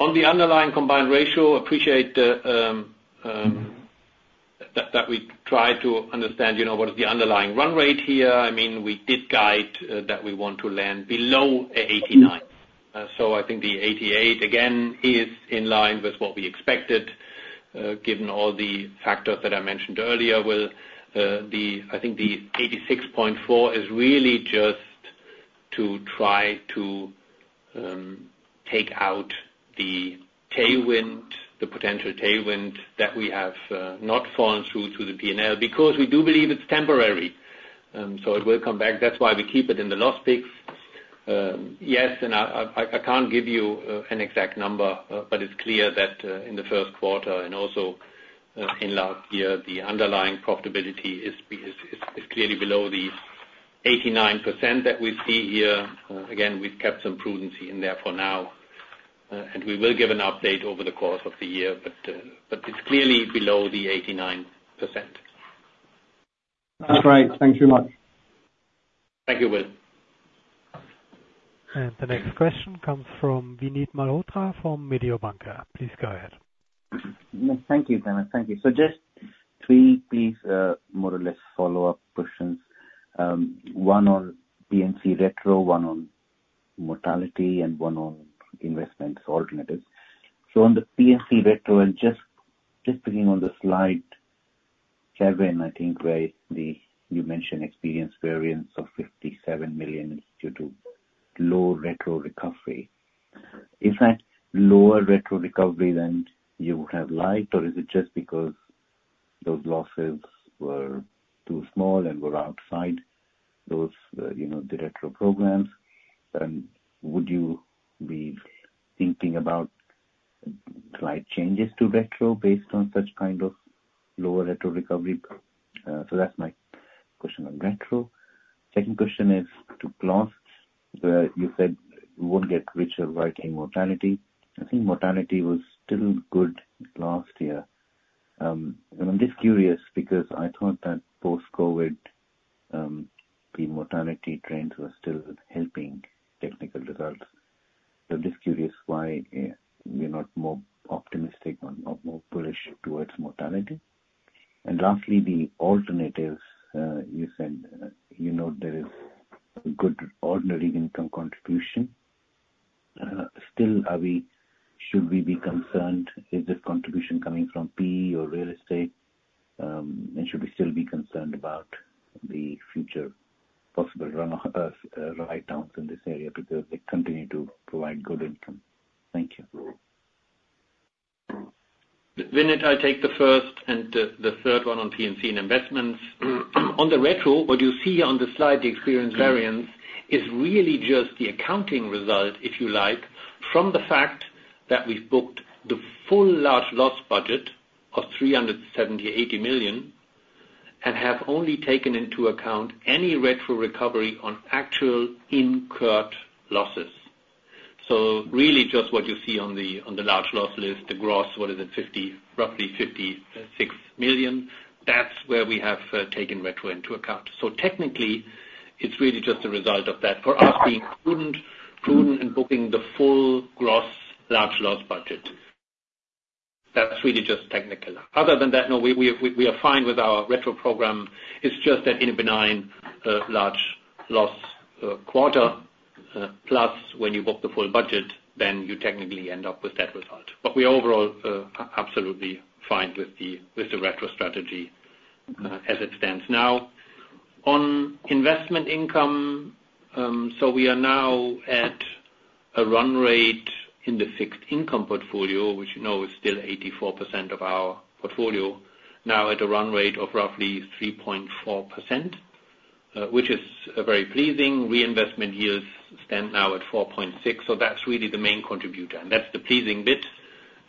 On the underlying Combined Ratio, appreciate that we try to understand, you know, what is the underlying run rate here. I mean, we did guide that we want to land below 89. So I think the 88, again, is in line with what we expected, given all the factors that I mentioned earlier, Will. I think the 86.4 is really just to try to take out the tailwind, the potential tailwind, that we have not fallen through to the P&L. Because we do believe it's temporary, so it will come back. That's why we keep it in the loss picks. Yes, and I can't give you an exact number, but it's clear that in the first quarter and also in last year, the underlying profitability is clearly below the 89% that we see here. Again, we've kept some prudence in there for now, and we will give an update over the course of the year, but it's clearly below the 89%. That's great. Thank you very much. Thank you, Will. The next question comes from Vinit Malhotra from Mediobanca. Please go ahead. Thank you, Donna. Thank you. So just three, please, more or less follow-up questions. One on P&C retro, one on mortality, and one on investment alternatives. So on the P&C retro, and just, just clicking on the slide, seven, I think, where you mentioned experience variance of 57 million is due to low retro recovery. Is that lower retro recovery than you would have liked, or is it just because those losses were too small and were outside those, you know, the retro programs? And would you be thinking about slight changes to retro based on such kind of lower retro recovery? So that's my question on retro. Second question is to loss, where you said you won't get richer writing mortality. I think mortality was still good last year. I'm just curious because I thought that post-COVID, the mortality trends were still helping technical results. So just curious why you're not more optimistic or more bullish towards mortality. And lastly, the alternatives, you said, you know, there is good ordinary income contribution. Still, should we be concerned? Is this contribution coming from PE or real estate? And should we still be concerned about the future possible runoff, write-downs in this area because they continue to provide good income? Thank you. Vinit, I'll take the first and the, the third one on P&C and investments. On the retro, what you see on the slide, the experience variance, is really just the accounting result, if you like, from the fact that we've booked the full large loss budget of 378 million, and have only taken into account any retro recovery on actual incurred losses. So really just what you see on the, on the large loss list, the gross, what is it? Roughly 56 million. That's where we have taken retro into account. So technically, it's really just a result of that. For us being prudent, prudent in booking the full gross large loss budget. That's really just technical. Other than that, no, we, we, we are fine with our retro program. It's just that in a benign, large loss, quarter, plus, when you book the full budget, then you technically end up with that result. But we are overall, absolutely fine with the, with the retro strategy, as it stands. Now, on investment income, so we are now at a run rate in the fixed income portfolio, which you know is still 84% of our portfolio, now at a run rate of roughly 3.4%, which is, very pleasing. Reinvestment yields stand now at 4.6, so that's really the main contributor, and that's the pleasing bit.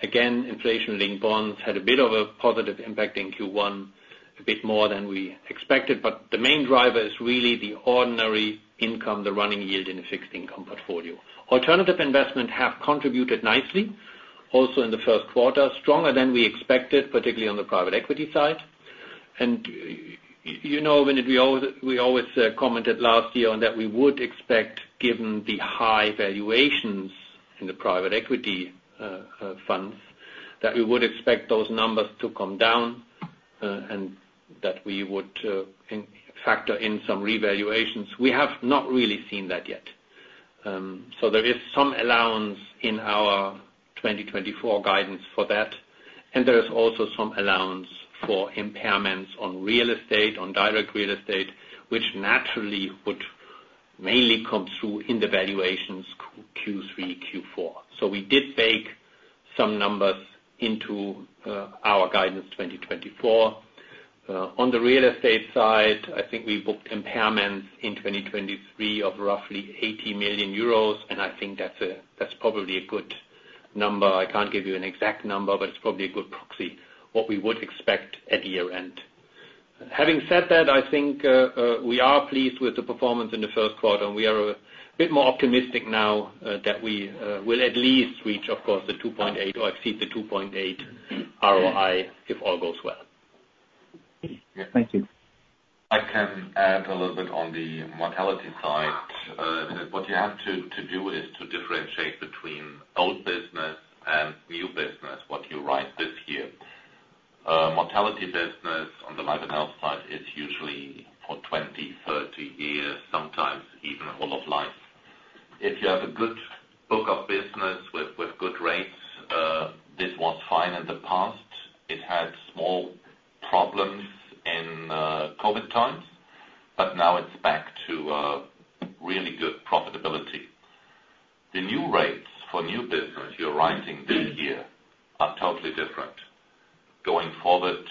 Again, inflation-linked bonds had a bit of a positive impact in Q1, a bit more than we expected, but the main driver is really the ordinary income, the running yield in the fixed income portfolio. Alternative investment have contributed nicely, also in the first quarter, stronger than we expected, particularly on the private equity side. And you know, Vinit, we always, we always, commented last year on that we would expect, given the high valuations in the private equity funds, that we would expect those numbers to come down, and that we would factor in some revaluations. We have not really seen that yet. So there is some allowance in our 2024 guidance for that, and there is also some allowance for impairments on real estate, on direct real estate, which naturally would mainly come through in the valuations Q3, Q4. So we did bake some numbers into our guidance 2024. On the real estate side, I think we booked impairments in 2023 of roughly 80 million euros, and I think that's probably a good number. I can't give you an exact number, but it's probably a good proxy, what we would expect at year-end. Having said that, I think, we are pleased with the performance in the first quarter, and we are a bit more optimistic now, that we, will at least reach, of course, the 2.8 or exceed the 2.8 ROI, if all goes well. Thank you. I can add a little bit on the mortality side. What you have to do is to differentiate between old business and new business, what you write this year. Mortality business on the Life & Health side is usually for 20, 30 years, sometimes even all of life. If you have a good book of business with good rates, this was fine in the past. It had small problems in COVID times, but now it's back to for new business you're writing this year are totally different. Going forward,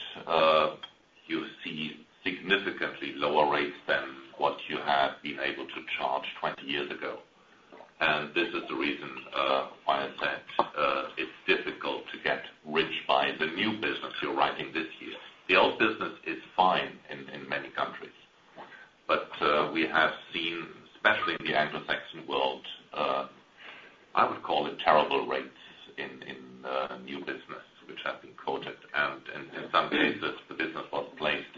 you see significantly lower rates than what you had been able to charge 20 years ago. And this is the reason I have said it's difficult to get rich by the new business you're writing this year. The old business is fine in many countries. But, we have seen, especially in the Anglo-Saxon world, I would call it terrible rates in new business, which have been quoted, and in some cases, the business was placed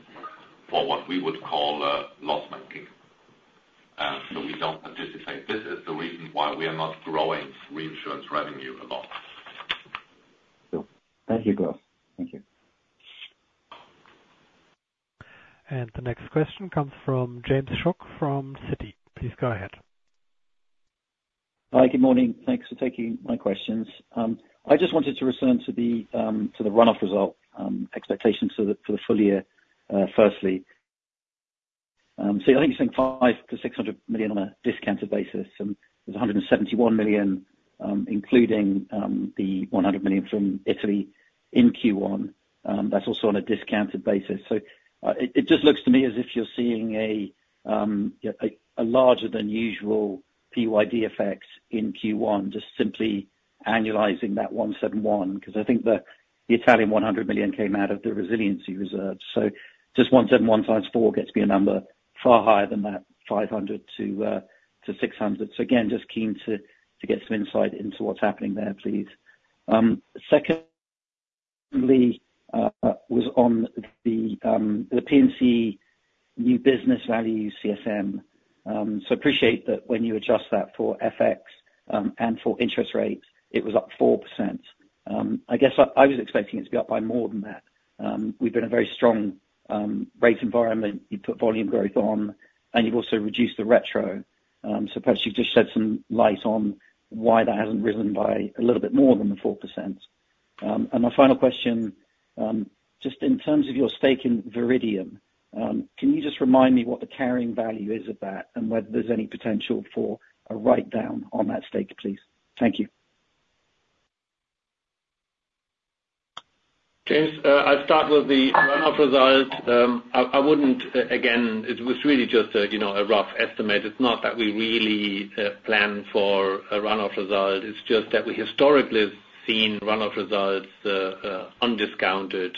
for what we would call loss making. And so we don't anticipate. This is the reason why we are not growing reinsurance revenue a lot. Thank you, Klaus. Thank you. The next question comes from James Shuck from Citi. Please go ahead. Hi, good morning. Thanks for taking my questions. I just wanted to return to the, to the run-off result, expectations for the, for the full year, firstly. So, I think you spent 500-600 million on a discounted basis, and there's 171 million, including, the 100 million from Italy in Q1. That's also on a discounted basis. So, it just looks to me as if you're seeing a, a larger than usual PYD effect in Q1, just simply annualizing that 171, because I think the, the Italian 100 million came out of the Resiliency Reserve. So just 171 times 4 gets me a number far higher than that 500-600. So again, just keen to get some insight into what's happening there, please. Secondly, was on the P&C new business value, CSM. So appreciate that when you adjust that for FX, and for interest rates, it was up 4%. I guess I was expecting it to be up by more than that. We've been a very strong rate environment. You put volume growth on, and you've also reduced the retro. So perhaps you've just shed some light on why that hasn't risen by a little bit more than the 4%. And my final question, just in terms of your stake in Viridium, can you just remind me what the carrying value is of that, and whether there's any potential for a write down on that stake, please? Thank you. James, I'll start with the run-off result. I wouldn't again, it was really just a, you know, a rough estimate. It's not that we really plan for a run-off result, it's just that we historically have seen run-off results, undiscounted,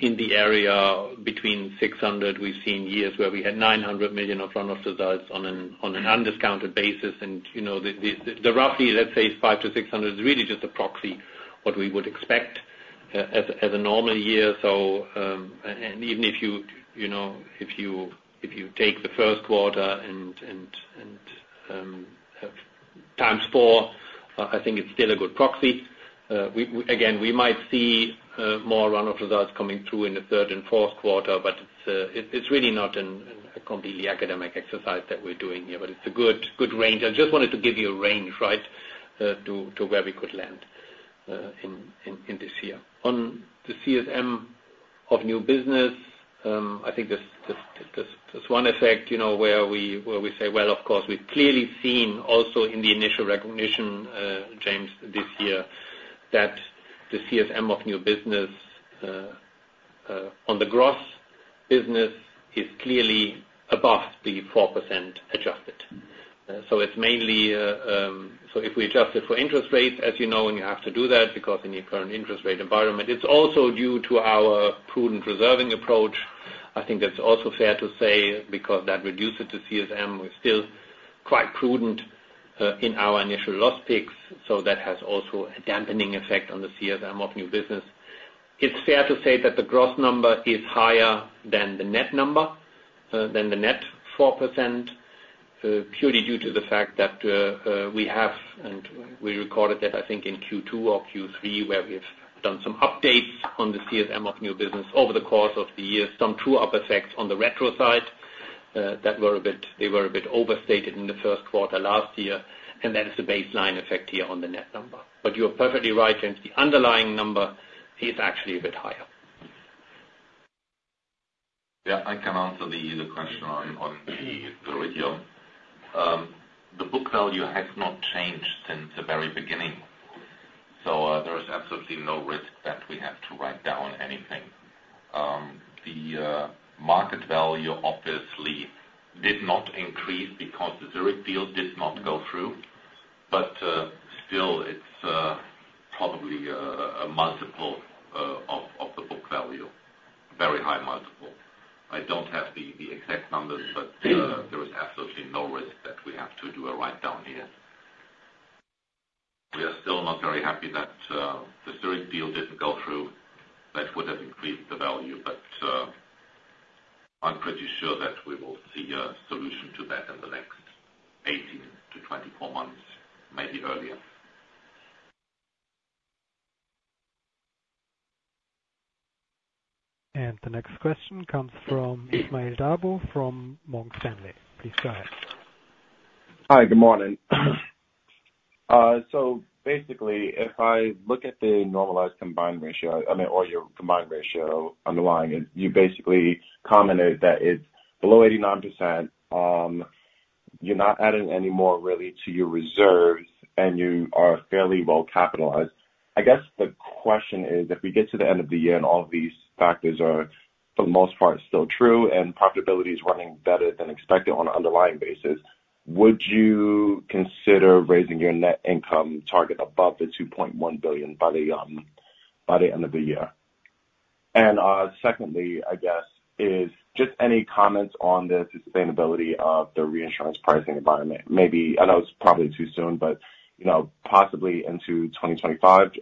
in the area between 600 million. We've seen years where we had 900 million of run-off results on an undiscounted basis. And, you know, the roughly, let's say, 500 million-600 million is really just a proxy, what we would expect, as a normal year. So, even if you, you know, if you take the first quarter and times four, I think it's still a good proxy. We again might see more run-off results coming through in the third and fourth quarter, but it's really not a completely academic exercise that we're doing here, but it's a good range. I just wanted to give you a range, right, to where we could land in this year. On the CSM of new business, I think there's one effect, you know, where we say, well, of course, we've clearly seen also in the initial recognition, James, this year, that the CSM of new business on the gross business is clearly above the 4% adjusted. So it's mainly... So if we adjust it for interest rates, as you know, and you have to do that because in the current interest rate environment, it's also due to our prudent reserving approach. I think that's also fair to say, because that reduces the CSM. We're still quite prudent in our initial loss picks, so that has also a dampening effect on the CSM of new business. It's fair to say that the gross number is higher than the net number than the net 4%, purely due to the fact that we have, and we recorded that, I think, in Q2 or Q3, where we've done some updates on the CSM of new business over the course of the year, some true up effects on the retro side that were a bit overstated in the first quarter last year, and that is a baseline effect here on the net number. But you're perfectly right, James. The underlying number is actually a bit higher. Yeah, I can answer the question on the Viridium. The book value has not changed since the very beginning, so there is absolutely no risk that we have to write down anything. The market value obviously did not increase because the Zurich deal did not go through, but still, it's probably a multiple of the book value, very high multiple. I don't have the exact numbers, but there is absolutely no risk that we have to do a write down here. We are still not very happy that the Zurich deal didn't go through. That would have increased the value, but I'm pretty sure that we will see a solution to that in the next 18-24 months, maybe earlier. The next question comes from Ismail Dabo, from Morgan Stanley. Please go ahead. Hi, good morning. Basically, if I look at the normalized Combined Ratio, I mean, or your Combined Ratio underlying it, you basically commented that it's below 89%. You're not adding any more really to your reserves, and you are fairly well capitalized. I guess the question is, if we get to the end of the year, and all of these factors are, for the most part, still true, and profitability is running better than expected on an underlying basis, would you consider raising your net income target above 2.1 billion by the end of the year? And, secondly, I guess, is just any comments on the sustainability of the reinsurance pricing environment? Maybe, I know it's probably too soon, but, you know, possibly into 2025,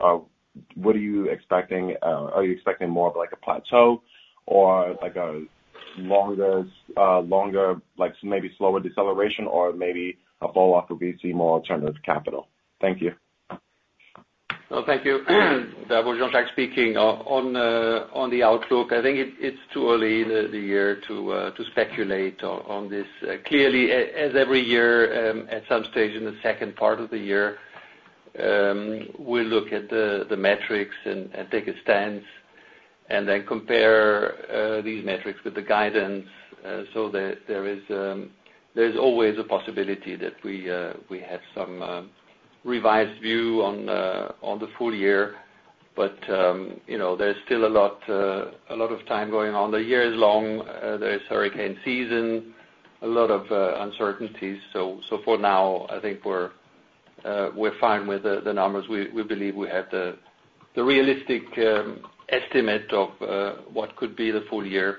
what are you expecting? Are you expecting more of like a plateau or like a longer, longer, like maybe slower deceleration or maybe a blow off where we see more alternative capital? Thank you. Well, thank you. Jean-Jacques speaking. On the outlook, I think it's too early in the year to speculate on this. Clearly, as every year, at some stage in the second part of the year, we look at the metrics and take a stance, and then compare these metrics with the guidance, so that there's always a possibility that we have some revised view on the full year. But you know, there's still a lot of time going on. The year is long, there is hurricane season, a lot of uncertainties. So for now, I think we're fine with the numbers. We believe we have the realistic estimate of what could be the full year.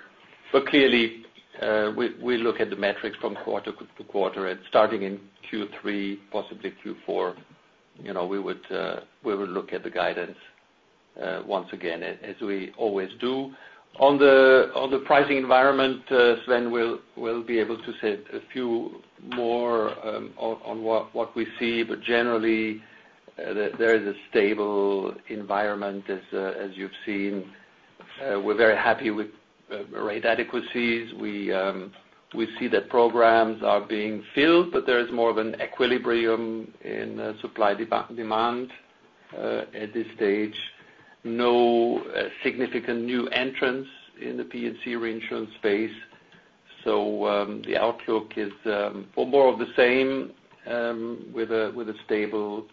But clearly, we look at the metrics from quarter to quarter, and starting in Q3, possibly Q4, you know, we will look at the guidance once again, as we always do. On the pricing environment, Sven will be able to say a few more on what we see, but generally, there is a stable environment as you've seen. We're very happy with rate adequacies. We see that programs are being filled, but there is more of an equilibrium in supply demand. At this stage, no significant new entrants in the P&C reinsurance space, so the outlook is more of the same with a stable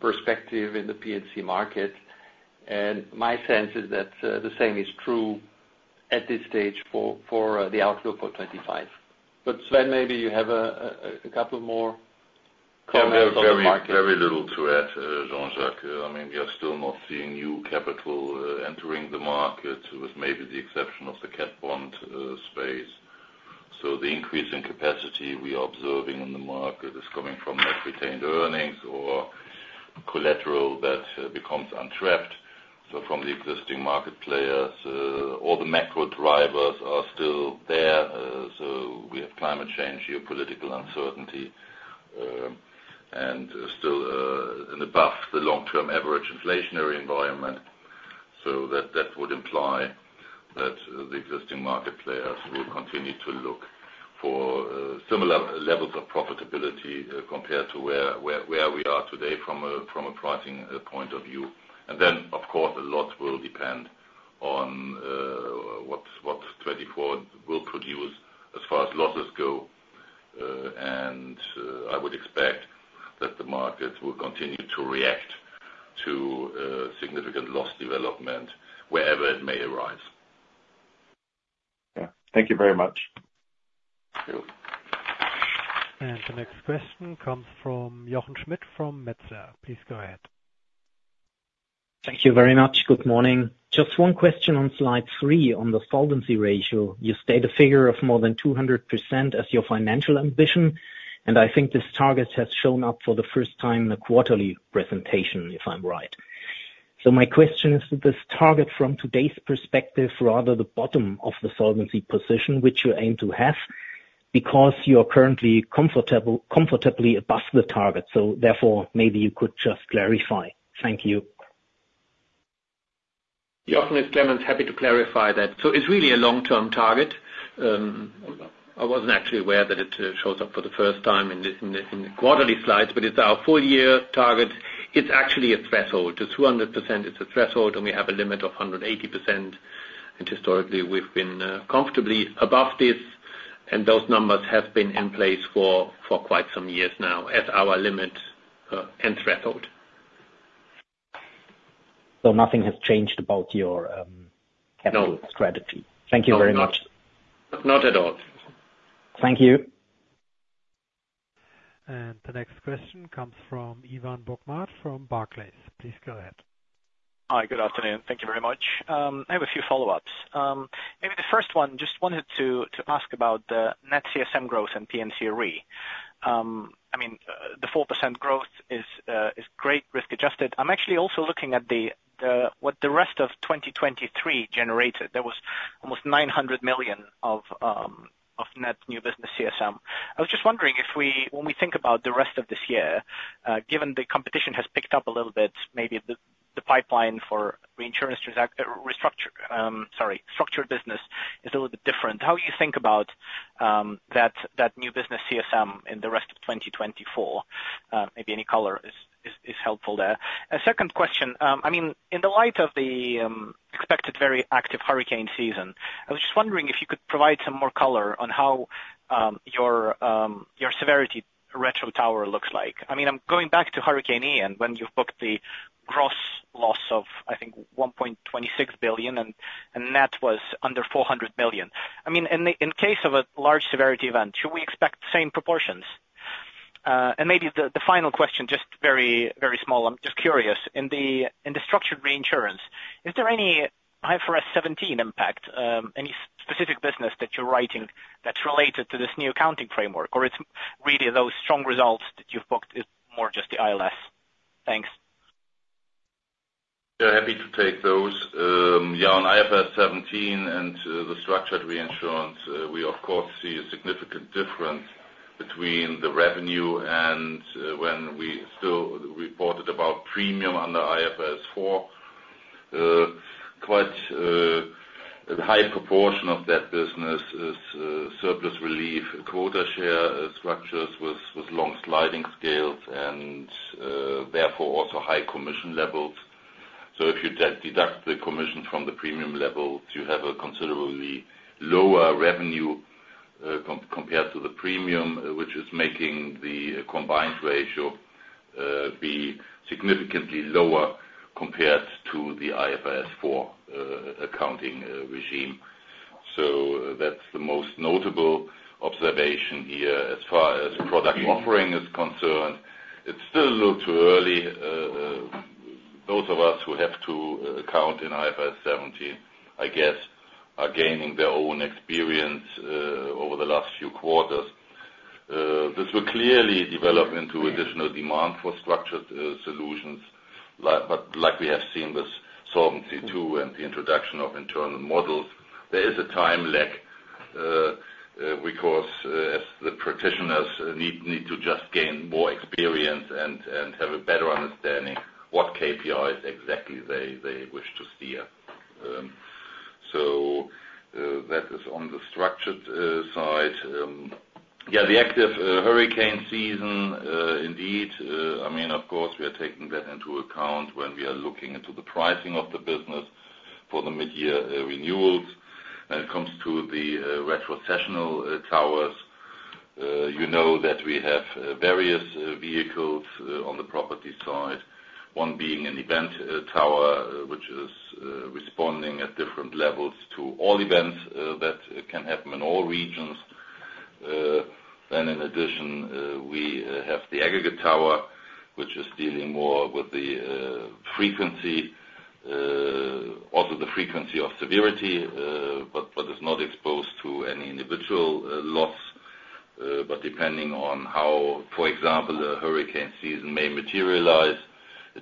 perspective in the P&C market. And my sense is that the same is true at this stage for the outlook for 2025. But Sven, maybe you have a couple more comments on the market. Yeah, very, very little to add, Jean-Jacques. I mean, we are still not seeing new capital entering the market, with maybe the exception of the cat bond space. So the increase in capacity we are observing in the market is coming from net retained earnings or collateral that becomes untrapped, so from the existing market players. All the macro drivers are still there, so we have climate change, geopolitical uncertainty, and still and above the long-term average inflationary environment. So that would imply that the existing market players will continue to look for similar levels of profitability compared to where we are today from a pricing point of view. And then, of course, a lot will depend on what 2024 will produce as far as losses go. I would expect that the market will continue to react to significant loss development wherever it may arise. Yeah. Thank you very much. Thank you. The next question comes from Jochen Schmitt, from Metzler. Please go ahead. Thank you very much. Good morning. Just one question on slide 3, on the solvency ratio. You state a figure of more than 200% as your financial ambition, and I think this target has shown up for the first time in a quarterly presentation, if I'm right. So my question is, is this target from today's perspective, rather the bottom of the solvency position which you aim to have? Because you are currently comfortable, comfortably above the target, so therefore, maybe you could just clarify. Thank you. Jochen, it's Clemens. Happy to clarify that. It's really a long-term target. I wasn't actually aware that it shows up for the first time in the quarterly slides, but it's our full year target. It's actually a threshold. The 200% is a threshold, and we have a limit of 180%, and historically, we've been comfortably above this, and those numbers have been in place for quite some years now as our limit and threshold. So nothing has changed about your capital strategy? No. Thank you very much. Not at all. Thank you. The next question comes from Ivan Bokhmat from Barclays. Please go ahead. Hi, good afternoon. Thank you very much. I have a few follow-ups. Maybe the first one, just wanted to ask about the net CSM growth and P&C Re. I mean, the 4% growth is great, risk-adjusted. I'm actually also looking at what the rest of 2023 generated. There was almost 900 million of net new business CSM. I was just wondering if we—when we think about the rest of this year, given the competition has picked up a little bit, maybe the- the pipeline for reinsurance structured business is a little bit different. How you think about, that, that new business CSM in the rest of 2024? Maybe any color is helpful there. A second question. I mean, in the light of the expected very active hurricane season, I was just wondering if you could provide some more color on how, your, your severity retro tower looks like. I mean, I'm going back to Hurricane Ian, when you've booked the gross loss of, I think, 1.26 billion, and net was under 400 million. I mean, in the case of a large severity event, should we expect the same proportions? And maybe the final question, just very, very small. I'm just curious. In the structured reinsurance, is there any IFRS 17 impact, any specific business that you're writing that's related to this new accounting framework? Or it's really those strong results that you've booked, is more just the ILS? Thanks. Yeah, happy to take those. Yeah, on IFRS 17 and the structured reinsurance, we of course see a significant difference between the revenue and when we still reported about premium under IFRS 4. Quite a high proportion of that business is surplus relief, quota share structures with long sliding scales, and therefore also high commission levels. So if you deduct the commission from the premium levels, you have a considerably lower revenue compared to the premium, which is making the combined ratio be significantly lower compared to the IFRS 4 accounting regime. So that's the most notable observation here. As far as product offering is concerned, it's still a little too early. Those of us who have to account in IFRS 17, I guess, are gaining their own experience over the last few quarters. This will clearly develop into additional demand for structured solutions, but like we have seen with Solvency II and the introduction of internal models, there is a time lag, because as the practitioners need to just gain more experience and have a better understanding what KPIs exactly they wish to steer. So, that is on the structured side. Yeah, the active hurricane season, indeed, I mean, of course, we are taking that into account when we are looking into the pricing of the business for the midyear renewals. When it comes to the retrocessional towers, you know that we have various vehicles on the property side, one being an event tower, which is responding at different levels to all events that can happen in all regions. Then in addition, we have the aggregate tower, which is dealing more with the frequency, also the frequency of severity, but is not exposed to any individual loss. But depending on how, for example, a hurricane season may materialize,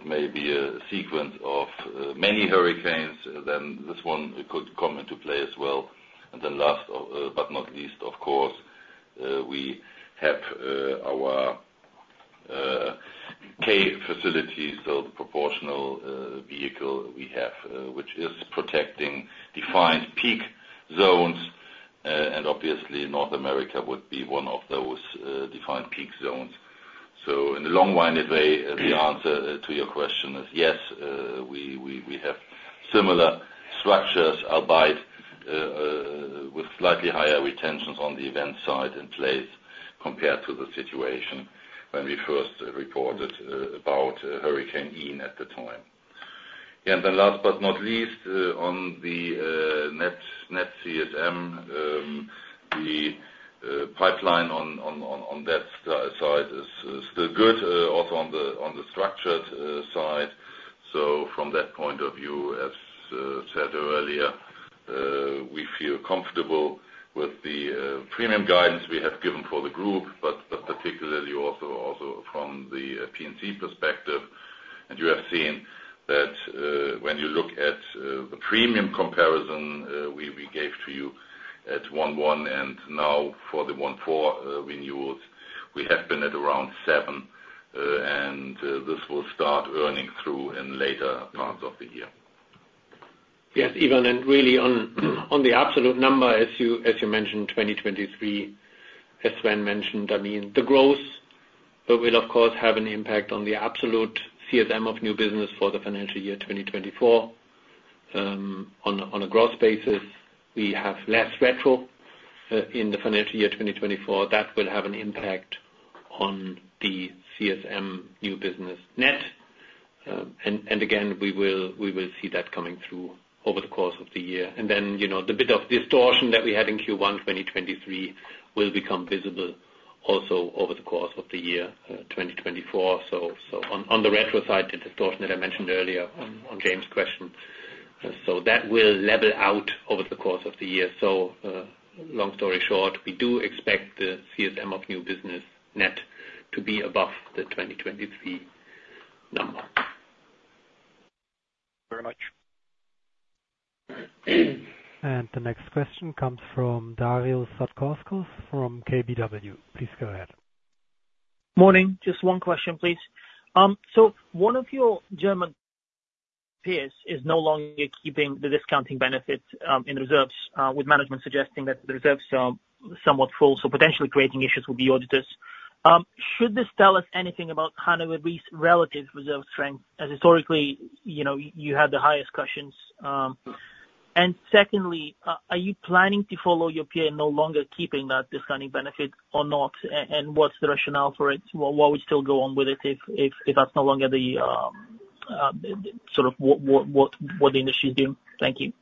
it may be a sequence of many hurricanes, then this one could come into play as well. And then last, but not least, of course, we have our K facilities, so the proportional vehicle we have, which is protecting defined peak zones, and obviously North America would be one of those defined peak zones. So in a long-winded way, the answer to your question is yes, we have similar structures, albeit with slightly higher retentions on the event side in place compared to the situation when we first reported about Hurricane Ian at the time. And then last but not least, on the net CSM, the pipeline on that side is still good, also on the structured side. So from that point of view, as said earlier, we feel comfortable with the premium guidance we have given for the group, but particularly also from the P&C perspective. And you have seen that, when you look at the premium comparison, we gave to you at 1-1, and now for the 1-4 renewals, we have been at around 7, and this will start earning through in later parts of the year. Yes, Ivan, and really on the absolute number, as you mentioned, 2023, as Sven mentioned, I mean, the growth will of course have an impact on the absolute CSM of new business for the financial year 2024. On a growth basis, we have less retro in the financial year 2024. That will have an impact on the CSM new business net. And again, we will see that coming through over the course of the year. And then, you know, the bit of distortion that we had in Q1 2023 will become visible also over the course of the year 2024. So on the retro side, the distortion that I mentioned earlier on James' question, so that will level out over the course of the year. So, long story short, we do expect the CSM of new business net to be above the 2023 number. Thank Very much. The next question comes from Darius Satkauskas from KBW. Please go ahead. Morning. Just one question, please. So one of your German peers is no longer keeping the discounting benefit in reserves with management suggesting that the reserves are somewhat full, so potentially creating issues with the auditors. Should this tell us anything about Hannover Re's relative reserve strength? As historically, you know, you had the highest questions. And secondly, are you planning to follow your peer, no longer keeping that discounting benefit or not? And what's the rationale for it? Why we still go on with it, if that's no longer the sort of what the industry is doing? Thank you.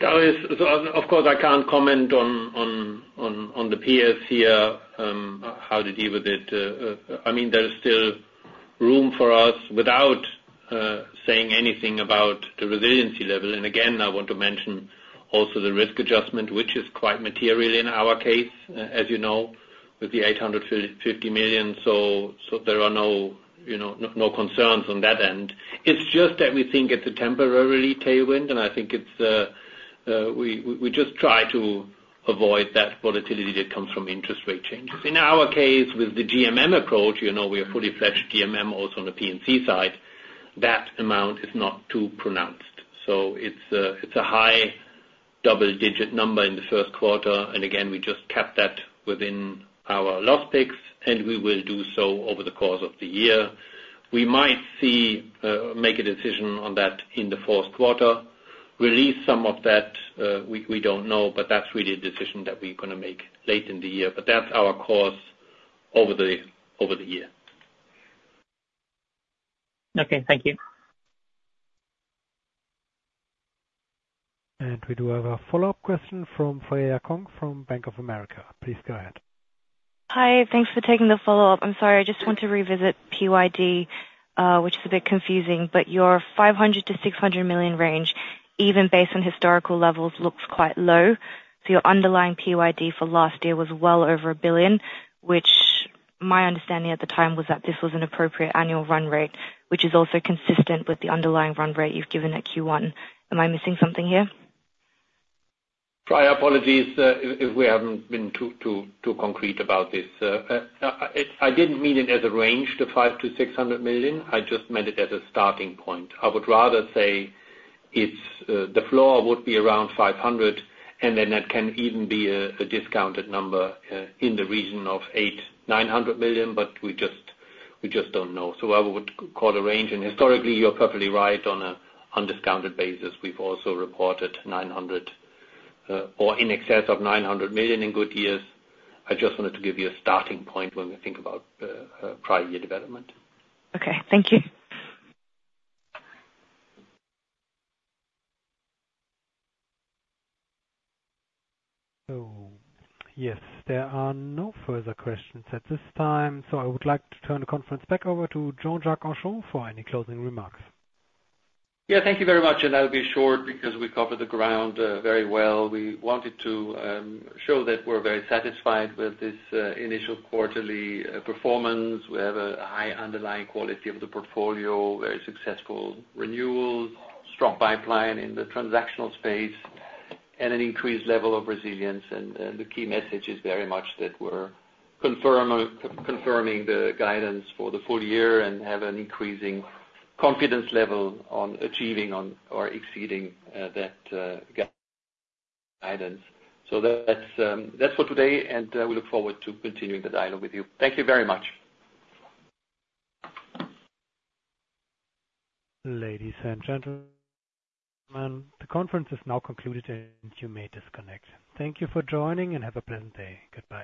Darius, so of course, I can't comment on the peers here, how to deal with it. I mean, there is still room for us without saying anything about the resiliency level. And again, I want to mention also the risk adjustment, which is quite material in our case, as you know, with the 850 million. So there are no, you know, no concerns on that end. It's just that we think it's a temporarily tailwind, and I think it's, we just try to avoid that volatility that comes from interest rate changes. In our case, with the GMM approach, you know, we are fully hedged GMM also on the P&C side. That amount is not too pronounced. So it's a, it's a high double digit number in the first quarter, and again, we just kept that within our loss picks, and we will do so over the course of the year. We might see, make a decision on that in the fourth quarter. Release some of that, we, we don't know, but that's really a decision that we're going to make late in the year. But that's our course over the, over the year. Okay, thank you. We do have a follow-up question from Freya Kong from Bank of America. Please go ahead. Hi, thanks for taking the follow-up. I'm sorry, I just want to revisit PYD, which is a bit confusing, but your 500 million-600 million range, even based on historical levels, looks quite low. So your underlying PYD for last year was well over 1 billion, which my understanding at the time was that this was an appropriate annual run rate, which is also consistent with the underlying run rate you've given at Q1. Am I missing something here? My apologies, if we haven't been too concrete about this. I didn't mean it as a range to 500 million-600 million. I just meant it as a starting point. I would rather say it's the floor would be around 500 million, and then that can even be a discounted number in the region of 800 million, 900 million, but we just don't know. So I would call a range, and historically, you're perfectly right. On a undiscounted basis, we've also reported 900 million or in excess of 900 million in good years. I just wanted to give you a starting point when we think about prior year development. Okay, thank you. So yes, there are no further questions at this time, so I would like to turn the conference back over to Jean-Jacques Henchoz for any closing remarks. Yeah, thank you very much, and I'll be short because we covered the ground very well. We wanted to show that we're very satisfied with this initial quarterly performance. We have a high underlying quality of the portfolio, very successful renewals, strong pipeline in the transactional space, and an increased level of resilience. And the key message is very much that we're confirming the guidance for the full year and have an increasing confidence level on achieving on or exceeding that guidance. So that's for today, and we look forward to continuing the dialogue with you. Thank you very much. Ladies and gentlemen, the conference is now concluded, and you may disconnect. Thank you for joining, and have a pleasant day. Goodbye.